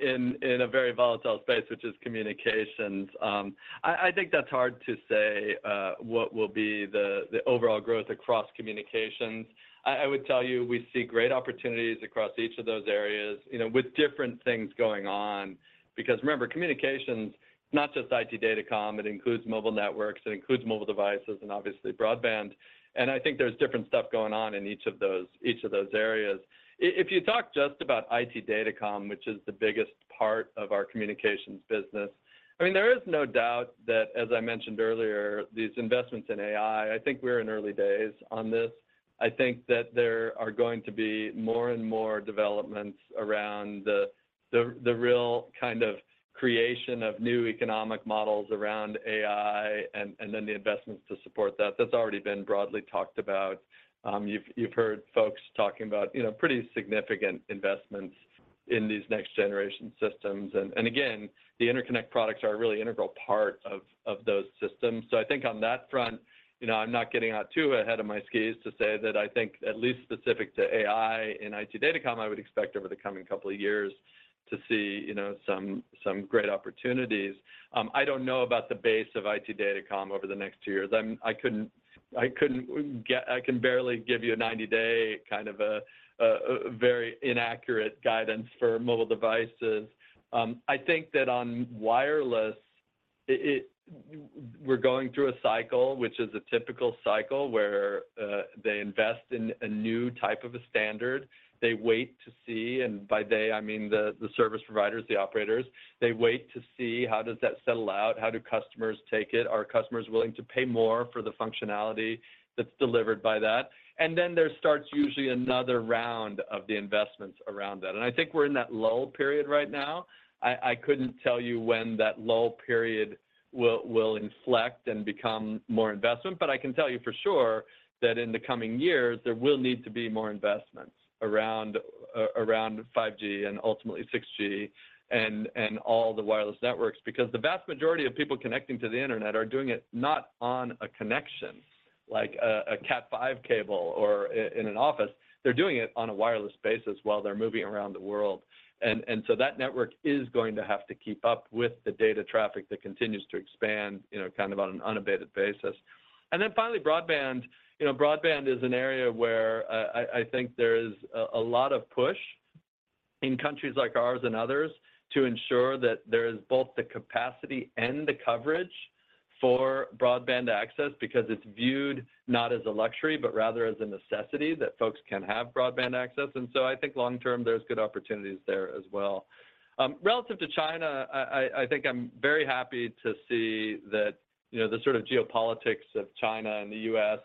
in a very volatile space, which is communications. I think that's hard to say what will be the overall growth across communications. I would tell you, we see great opportunities across each of those areas, you know, with different things going on. Because, remember, communications is not just IT datacom, it includes mobile networks, it includes mobile devices, and obviously broadband. And I think there's different stuff going on in each of those areas. If you talk just about IT datacom, which is the biggest part of our communications business, I mean, there is no doubt that, as I mentioned earlier, these investments in AI, I think we're in early days on this. I think that there are going to be more and more developments around the real kind of creation of new economic models around AI, and then the investments to support that. That's already been broadly talked about. You've heard folks talking about, you know, pretty significant investments in these next generation systems. And again, the interconnect products are a really integral part of those systems. So I think on that front, you know, I'm not getting out too ahead of my skis to say that I think at least specific to AI and IT datacom, I would expect over the coming couple of years to see, you know, some great opportunities. I don't know about the base of IT datacom over the next 2 years. I couldn't get—I can barely give you a 90-day kind of a very inaccurate guidance for mobile devices. I think that on wireless, we're going through a cycle, which is a typical cycle, where they invest in a new type of a standard. They wait to see, and by they, I mean the service providers, the operators. They wait to see how does that settle out, how do customers take it? Are customers willing to pay more for the functionality that's delivered by that? And then there starts usually another round of the investments around that. And I think we're in that lull period right now. I couldn't tell you when that lull period will inflect and become more investment, but I can tell you for sure that in the coming years, there will need to be more investments around 5G and ultimately 6G, and all the wireless networks. Because the vast majority of people connecting to the internet are doing it not on a connection, like a Cat 5 cable or in an office. They're doing it on a wireless basis while they're moving around the world. And so that network is going to have to keep up with the data traffic that continues to expand, you know, kind of on an unabated basis. And then finally, broadband. You know, broadband is an area where I think there is a lot of push in countries like ours and others to ensure that there is both the capacity and the coverage for broadband access, because it's viewed not as a luxury, but rather as a necessity that folks can have broadband access. And so I think long term, there's good opportunities there as well. Relative to China, I think I'm very happy to see that, you know, the sort of geopolitics of China and the U.S.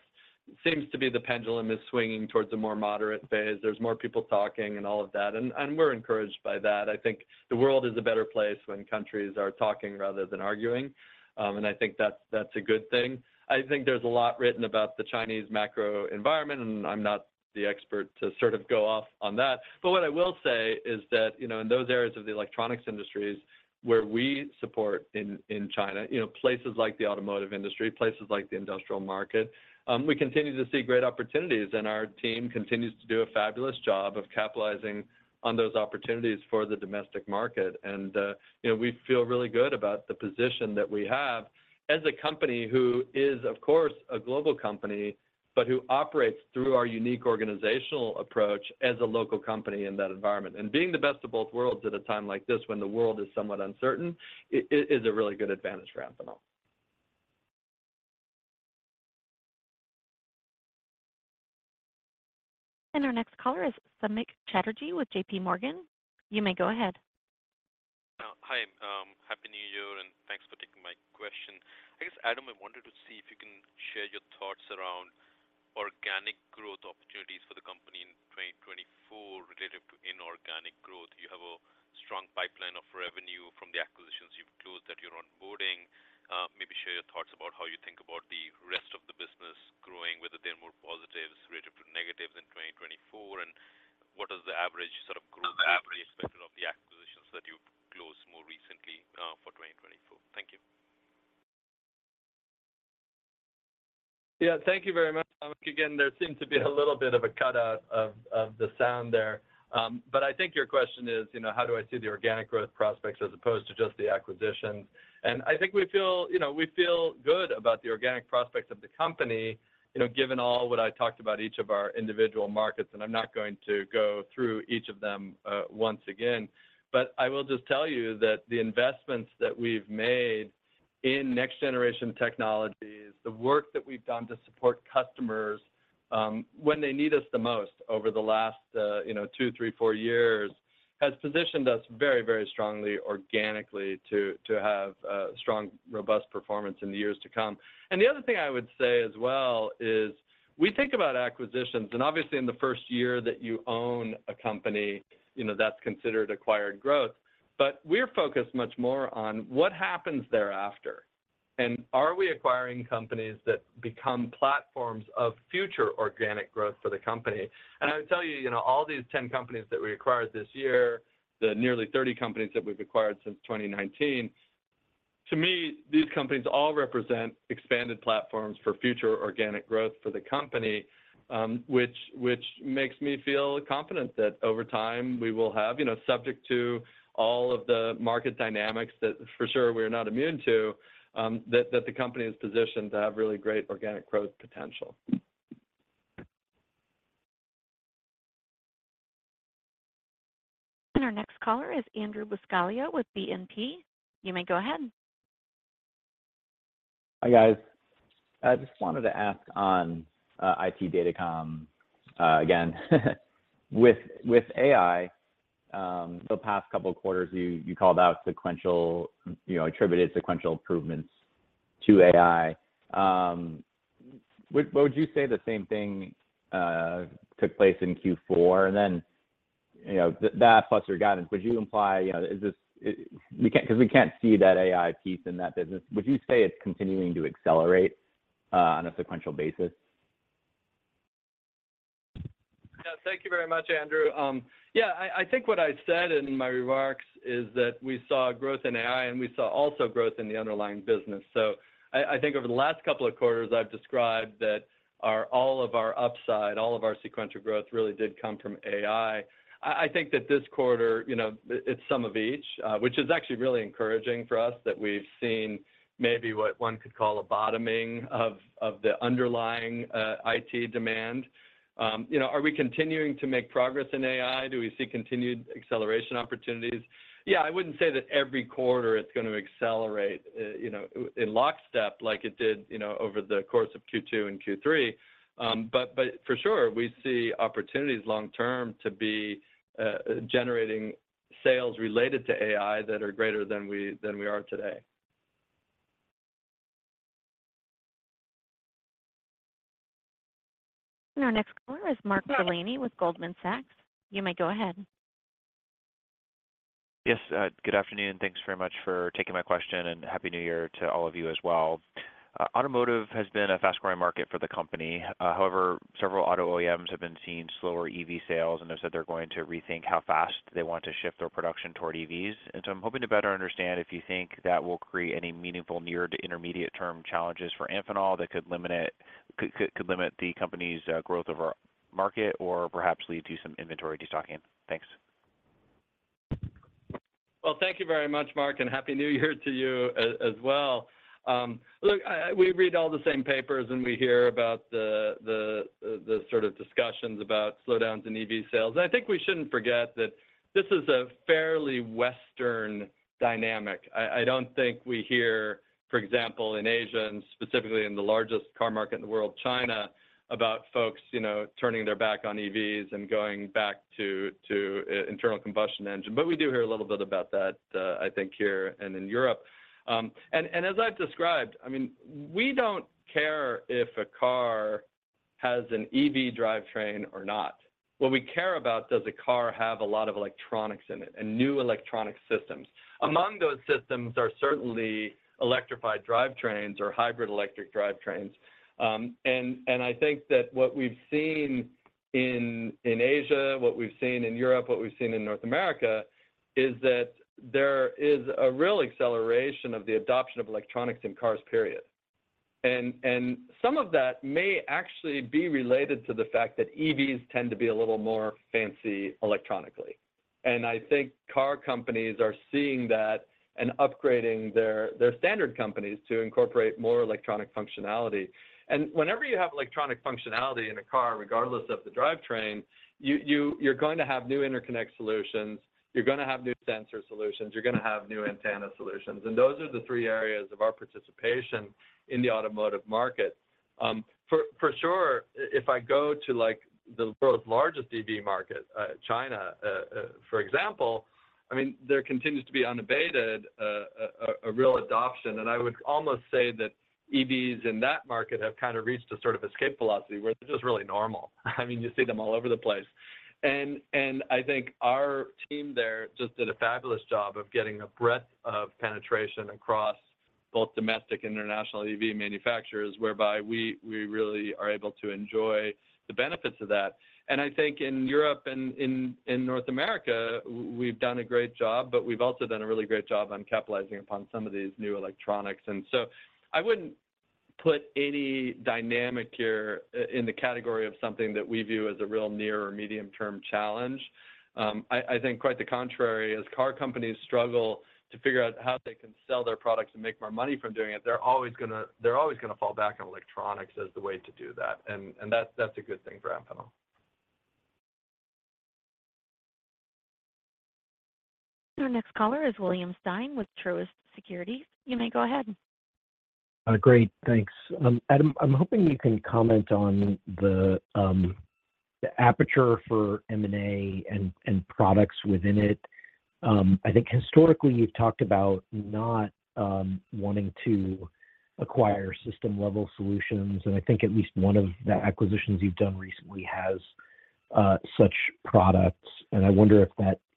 seems to be the pendulum is swinging towards a more moderate phase. There's more people talking and all of that, and we're encouraged by that. I think the world is a better place when countries are talking rather than arguing. I think that's a good thing. I think there's a lot written about the Chinese macro environment, and I'm not the expert to sort of go off on that. But what I will say is that, you know, in those areas of the electronics industries where we support in China, you know, places like the automotive industry, places like the industrial market, we continue to see great opportunities, and our team continues to do a fabulous job of capitalizing on those opportunities for the domestic market. You know, we feel really good about the position that we have as a company who is, of course, a global company, but who operates through our unique organizational approach as a local company in that environment. Being the best of both worlds at a time like this, when the world is somewhat uncertain, is a really good advantage for Amphenol. Our next caller is Samik Chatterjee with J.P. Morgan. You may go ahead. Hi, happy New Year, and thanks for taking my question. I guess, Adam, I wanted to see if you can share your thoughts around organic growth opportunities for the company in 2024 related to inorganic growth. You have a strong pipeline of revenue from the acquisitions you've closed, that you're onboarding. Maybe share your thoughts about how you think about the rest of the business growing, whether they're more positives related to negatives in 2024, and what is the average sort of growth rate expected of the acquisitions that you've closed more recently, for 2024? Thank you. Yeah, thank you very much. Again, there seems to be a little bit of a cut out of the sound there. But I think your question is, you know, how do I see the organic growth prospects as opposed to just the acquisitions? And I think we feel, you know, we feel good about the organic prospects of the company, you know, given all what I talked about each of our individual markets, and I'm not going to go through each of them once again. But I will just tell you that the investments that we've made in next-generation technologies, the work that we've done to support customers, when they need us the most over the last, you know, two, three, four years, has positioned us very, very strongly organically, to have a strong, robust performance in the years to come. The other thing I would say as well is, we think about acquisitions, and obviously, in the first year that you own a company, you know, that's considered acquired growth. But we're focused much more on what happens thereafter, and are we acquiring companies that become platforms of future organic growth for the company? And I would tell you, you know, all these 10 companies that we acquired this year, the nearly 30 companies that we've acquired since 2019, to me, these companies all represent expanded platforms for future organic growth for the company, which makes me feel confident that over time, we will have, you know, subject to all of the market dynamics that for sure we are not immune to, that the company is positioned to have really great organic growth potential. Our next caller is Andrew Buscaglia with BNP. You may go ahead. Hi, guys. I just wanted to ask on IT Datacom. Again, with AI, the past couple of quarters, you called out sequential, you know, attributed sequential improvements to AI. Would you say the same thing took place in Q4? And then, you know, that plus your guidance, would you imply, you know, is this—we can't—because we can't see that AI piece in that business. Would you say it's continuing to accelerate on a sequential basis? Yeah. Thank you very much, Andrew. Yeah, I think what I said in my remarks is that we saw growth in AI, and we saw also growth in the underlying business. So I think over the last couple of quarters, I've described that all of our upside, all of our sequential growth really did come from AI. I think that this quarter, you know, it's some of each, which is actually really encouraging for us, that we've seen maybe what one could call a bottoming of the underlying IT demand. You know, are we continuing to make progress in AI? Do we see continued acceleration opportunities? Yeah, I wouldn't say that every quarter it's gonna accelerate, you know, in lockstep like it did, you know, over the course of Q2 and Q3. But for sure, we see opportunities long term to be generating sales related to AI that are greater than we are today. Our next caller is Mark Delaney with Goldman Sachs. You may go ahead. Yes, good afternoon, and thanks very much for taking my question, and Happy New Year to all of you as well. Automotive has been a fast-growing market for the company. However, several auto OEMs have been seeing slower EV sales, and they've said they're going to rethink how fast they want to shift their production toward EVs. And so I'm hoping to better understand if you think that will create any meaningful near- to intermediate-term challenges for Amphenol that could limit the company's growth over market or perhaps lead to some inventory destocking. Thanks. Well, thank you very much, Mark, and Happy New Year to you as well. Look, we read all the same papers, and we hear about the sort of discussions about slowdowns in EV sales. I think we shouldn't forget that this is a fairly Western dynamic. I don't think we hear, for example, in Asia and specifically in the largest car market in the world, China, about folks, you know, turning their back on EVs and going back to internal combustion engine. But we do hear a little bit about that, I think here and in Europe. And as I've described, I mean, we don't care if a car has an EV drivetrain or not. What we care about, does a car have a lot of electronics in it and new electronic systems? Among those systems are certainly electrified drivetrains or hybrid electric drivetrains. And I think that what we've seen in Asia, what we've seen in Europe, what we've seen in North America, is that there is a real acceleration of the adoption of electronics in cars, period. And some of that may actually be related to the fact that EVs tend to be a little more fancy electronically. And I think car companies are seeing that and upgrading their standard cars to incorporate more electronic functionality. And whenever you have electronic functionality in a car, regardless of the drivetrain, you're going to have new interconnect solutions, you're gonna have new sensor solutions, you're gonna have new antenna solutions, and those are the three areas of our participation in the automotive market. For sure, if I go to, like, the world's largest EV market, China, for example, I mean, there continues to be unabated a real adoption, and I would almost say that EVs in that market have kind of reached a sort of escape velocity, where they're just really normal. I mean, you see them all over the place. And I think our team there just did a fabulous job of getting a breadth of penetration across both domestic and international EV manufacturers, whereby we really are able to enjoy the benefits of that. And I think in Europe and in North America, we've done a great job, but we've also done a really great job on capitalizing upon some of these new electronics. And so I wouldn't put any dynamic here in the category of something that we view as a real near- or medium-term challenge. I think quite the contrary, as car companies struggle to figure out how they can sell their products and make more money from doing it, they're always gonna, they're always gonna fall back on electronics as the way to do that. And that's a good thing for Amphenol. Our next caller is William Stein with Truist Securities. You may go ahead. Great. Thanks. Adam, I'm hoping you can comment on the aperture for M&A and products within it. I think historically, you've talked about not wanting to acquire system-level solutions, and I think at least one of the acquisitions you've done recently has such products. And I wonder if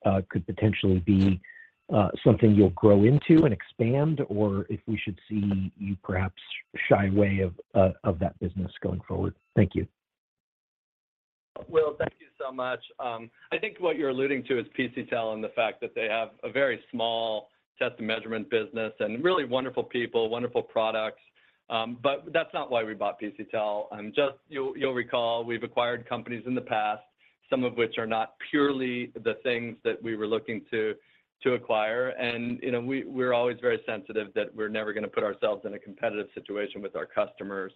that could potentially be something you'll grow into and expand, or if we should see you perhaps shy away of that business going forward. Thank you. Will, thank you so much. I think what you're alluding to is PCTEL and the fact that they have a very small test and measurement business and really wonderful people, wonderful products, but that's not why we bought PCTEL. And just, you'll recall, we've acquired companies in the past, some of which are not purely the things that we were looking to acquire. And, you know, we're always very sensitive that we're never gonna put ourselves in a competitive situation with our customers.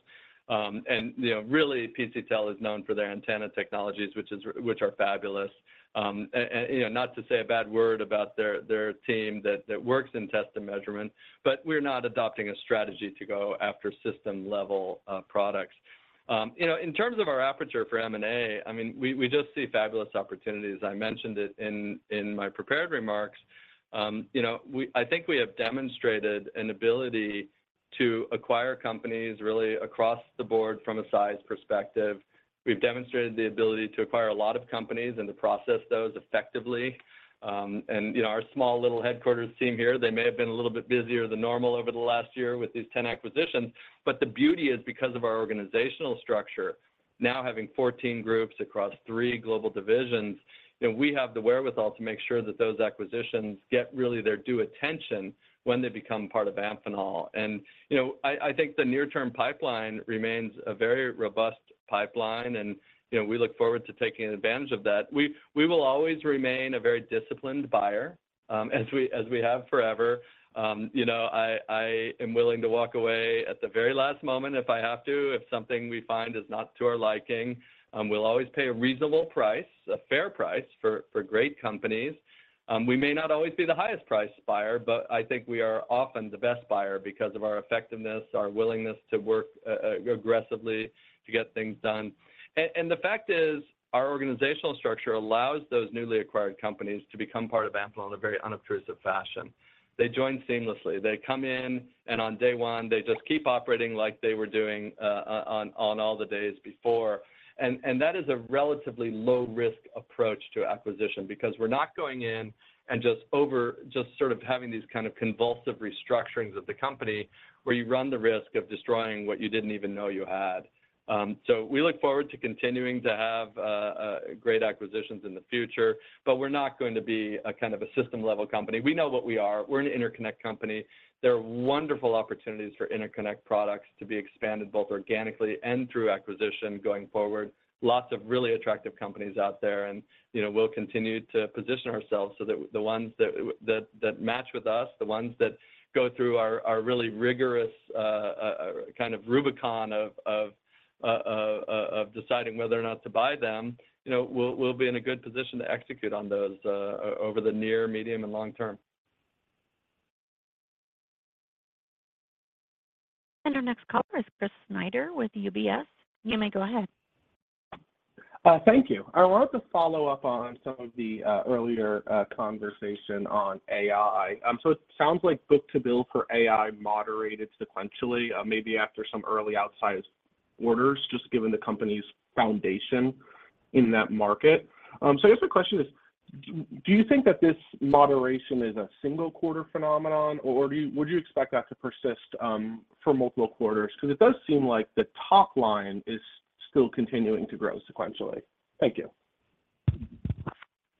And, you know, really, PCTEL is known for their antenna technologies, which are fabulous. You know, not to say a bad word about their team that works in test and measurement, but we're not adopting a strategy to go after system-level products. You know, in terms of our aperture for M&A, I mean, we, we just see fabulous opportunities. I mentioned it in, in my prepared remarks. You know, I think we have demonstrated an ability to acquire companies really across the board from a size perspective. We've demonstrated the ability to acquire a lot of companies and to process those effectively. And, you know, our small little headquarters team here, they may have been a little bit busier than normal over the last year with these 10 acquisitions, but the beauty is because of our organizational structure now having 14 groups across three global divisions, you know, we have the wherewithal to make sure that those acquisitions get really their due attention when they become part of Amphenol. And, you know, I think the near-term pipeline remains a very robust pipeline, and, you know, we look forward to taking advantage of that. We will always remain a very disciplined buyer, as we have forever. You know, I am willing to walk away at the very last moment if I have to, if something we find is not to our liking. We'll always pay a reasonable price, a fair price for great companies. We may not always be the highest priced buyer, but I think we are often the best buyer because of our effectiveness, our willingness to work aggressively to get things done. And the fact is, our organizational structure allows those newly acquired companies to become part of Amphenol in a very unobtrusive fashion. They join seamlessly. They come in, and on day one, they just keep operating like they were doing on all the days before. And that is a relatively low-risk approach to acquisition because we're not going in and just sort of having these kind of convulsive restructurings of the company, where you run the risk of destroying what you didn't even know you had. So we look forward to continuing to have great acquisitions in the future, but we're not going to be a kind of a system-level company. We know what we are. We're an interconnect company. There are wonderful opportunities for interconnect products to be expanded, both organically and through acquisition going forward. Lots of really attractive companies out there, and, you know, we'll continue to position ourselves so that the ones that match with us, the ones that go through our really rigorous kind of Rubicon of deciding whether or not to buy them, you know, we'll be in a good position to execute on those over the near, medium, and long term. Our next caller is Chris Snyder with UBS. You may go ahead. Thank you. I wanted to follow up on some of the earlier conversation on AI. So it sounds like Book-to-Bill for AI moderated sequentially, maybe after some early outsized orders, just given the company's foundation in that market. So I guess my question is: Do you think that this moderation is a single-quarter phenomenon, or would you expect that to persist for multiple quarters? Because it does seem like the top line is still continuing to grow sequentially. Thank you.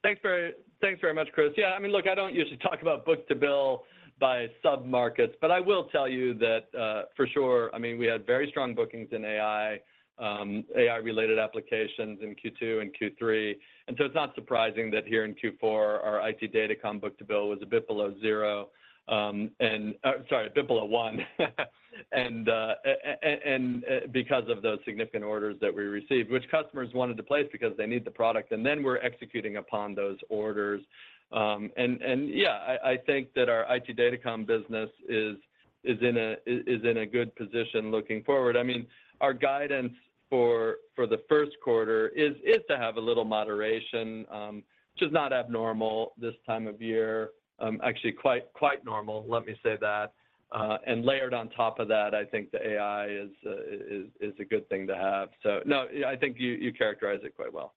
Thanks very much, Chris. Yeah, I mean, look, I don't usually talk about Book-to-Bill by submarkets, but I will tell you that, for sure, I mean, we had very strong bookings in AI, AI-related applications in Q2 and Q3, and so it's not surprising that here in Q4, our IT Datacom Book-to-Bill was a bit below zero, sorry, a bit below one, and because of those significant orders that we received, which customers wanted to place because they need the product, and then we're executing upon those orders. Yeah, I think that our IT Datacom business is in a good position looking forward. I mean, our guidance for the first quarter is to have a little moderation, which is not abnormal this time of year. Actually, quite normal, let me say that. And layered on top of that, I think the AI is a good thing to have. So no, yeah, I think you characterized it quite well.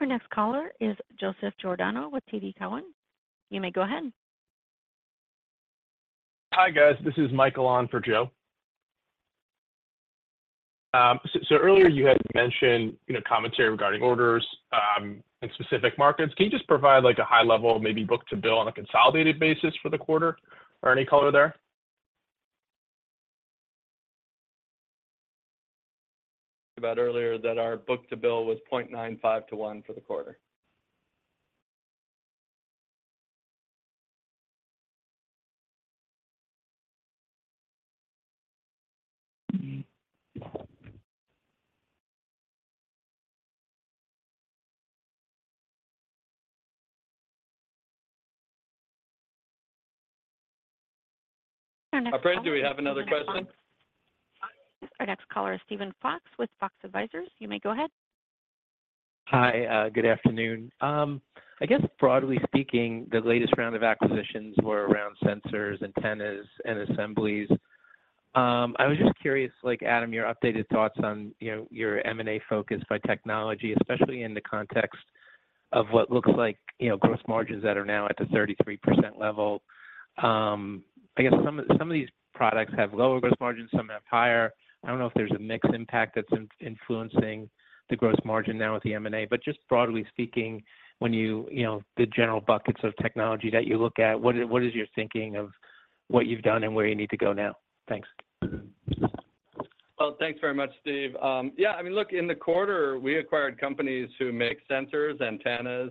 Our next caller is Joseph Giordano with TD Cowen. You may go ahead. Hi, guys. This is Michael on for Joe. So earlier you had mentioned, you know, commentary regarding orders and specific markets. Can you just provide, like, a high-level, maybe Book-to-Bill on a consolidated basis for the quarter or any color there? About earlier, that our book-to-bill was 0.95 to 1 for the quarter. Our next- Apparently, we have another question. Our next caller is Steven Fox with Fox Advisors. You may go ahead. Hi, good afternoon. I guess broadly speaking, the latest round of acquisitions were around sensors, antennas, and assemblies. I was just curious, like, Adam, your updated thoughts on, you know, your M&A focus by technology, especially in the context of what looks like, you know, gross margins that are now at the 33% level. I guess some of, some of these products have lower gross margins, some have higher. I don't know if there's a mixed impact that's influencing the gross margin now with the M&A, but just broadly speaking, when you, you know, the general buckets of technology that you look at, what is, what is your thinking of what you've done and where you need to go now? Thanks. Well, thanks very much, Steve. Yeah, I mean, look, in the quarter, we acquired companies who make sensors, antennas,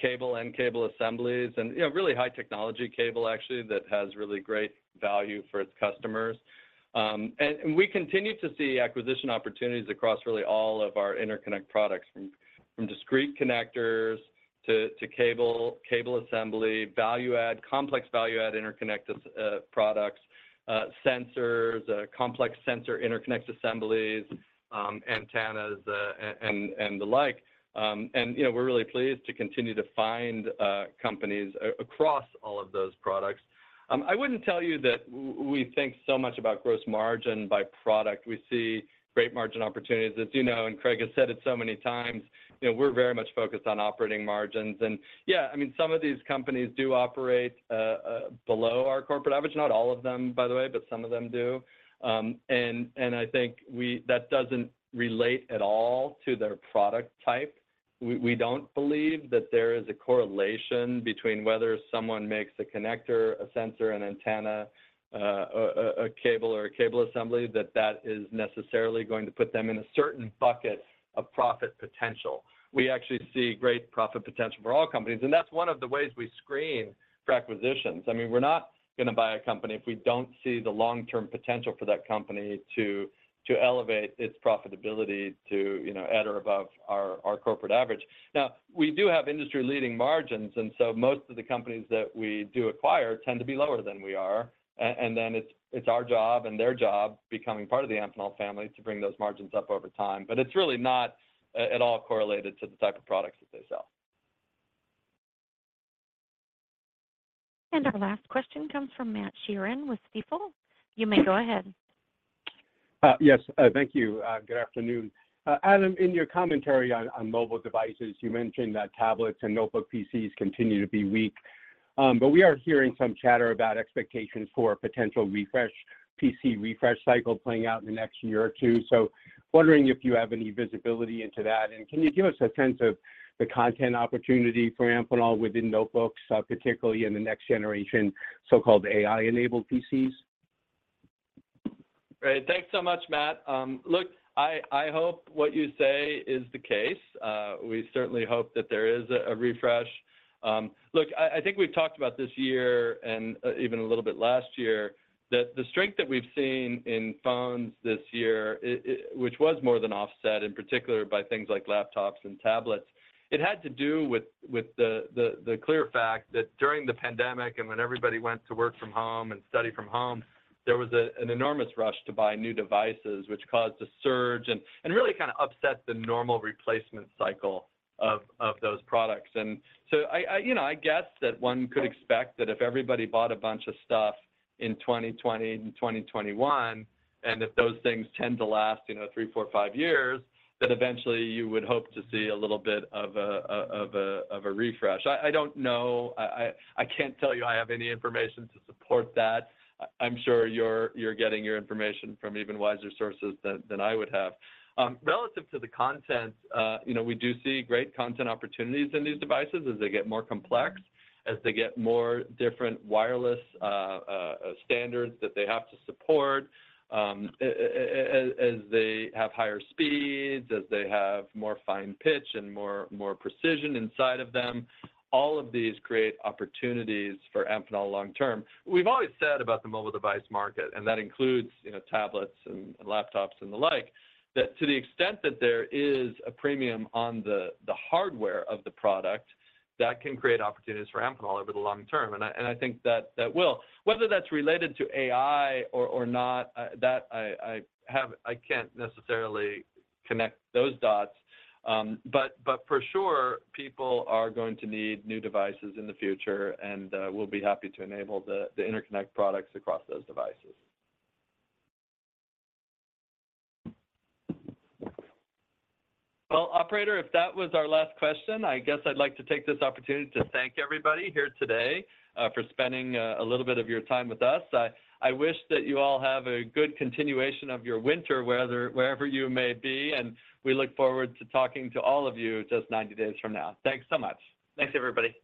cable and cable assemblies, and, you know, really high technology cable, actually, that has really great value for its customers. And we continue to see acquisition opportunities across really all of our interconnect products, from discrete connectors to cable, cable assembly, value add, complex value add interconnective products, sensors, complex sensor interconnect assemblies, antennas, and the like. And, you know, we're really pleased to continue to find companies across all of those products.... I wouldn't tell you that we think so much about gross margin by product. We see great margin opportunities, as you know, and Craig has said it so many times, you know, we're very much focused on operating margins. Yeah, I mean, some of these companies do operate below our corporate average, not all of them, by the way, but some of them do. And I think that doesn't relate at all to their product type. We don't believe that there is a correlation between whether someone makes a connector, a sensor, an antenna, a cable or a cable assembly, that that is necessarily going to put them in a certain bucket of profit potential. We actually see great profit potential for all companies, and that's one of the ways we screen for acquisitions. I mean, we're not gonna buy a company if we don't see the long-term potential for that company to elevate its profitability to, you know, at or above our corporate average. Now, we do have industry-leading margins, and so most of the companies that we do acquire tend to be lower than we are. And then it's our job and their job, becoming part of the Amphenol family, to bring those margins up over time. But it's really not at all correlated to the type of products that they sell. Our last question comes from Matt Sheerin with Stifel. You may go ahead. Yes, thank you. Good afternoon. Adam, in your commentary on mobile devices, you mentioned that tablets and notebook PCs continue to be weak. But we are hearing some chatter about expectations for a potential refresh, PC refresh cycle playing out in the next year or two. So wondering if you have any visibility into that, and can you give us a sense of the connect opportunity for Amphenol within notebooks, particularly in the next generation, so-called AI-enabled PCs? Great. Thanks so much, Matt. Look, I hope what you say is the case. We certainly hope that there is a refresh. Look, I think we've talked about this year and even a little bit last year, that the strength that we've seen in phones this year, which was more than offset, in particular by things like laptops and tablets, it had to do with the clear fact that during the pandemic and when everybody went to work from home and study from home, there was an enormous rush to buy new devices, which caused a surge and really kind of upset the normal replacement cycle of those products. You know, I guess that one could expect that if everybody bought a bunch of stuff in 2020 and 2021, and if those things tend to last, you know, three, four, five years, that eventually you would hope to see a little bit of a refresh. I don't know. I can't tell you I have any information to support that. I'm sure you're getting your information from even wiser sources than I would have. Relative to the content, you know, we do see great content opportunities in these devices as they get more complex, as they get more different wireless standards that they have to support, as they have higher speeds, as they have more fine pitch and more precision inside of them. All of these create opportunities for Amphenol long term. We've always said about the mobile device market, and that includes, you know, tablets and laptops and the like, that to the extent that there is a premium on the hardware of the product, that can create opportunities for Amphenol over the long term, and I think that will. Whether that's related to AI or not, I can't necessarily connect those dots. But for sure, people are going to need new devices in the future, and we'll be happy to enable the interconnect products across those devices. Well, operator, if that was our last question, I guess I'd like to take this opportunity to thank everybody here today for spending a little bit of your time with us. I wish that you all have a good continuation of your winter weather, wherever you may be, and we look forward to talking to all of you just 90 days from now. Thanks so much. Thanks, everybody.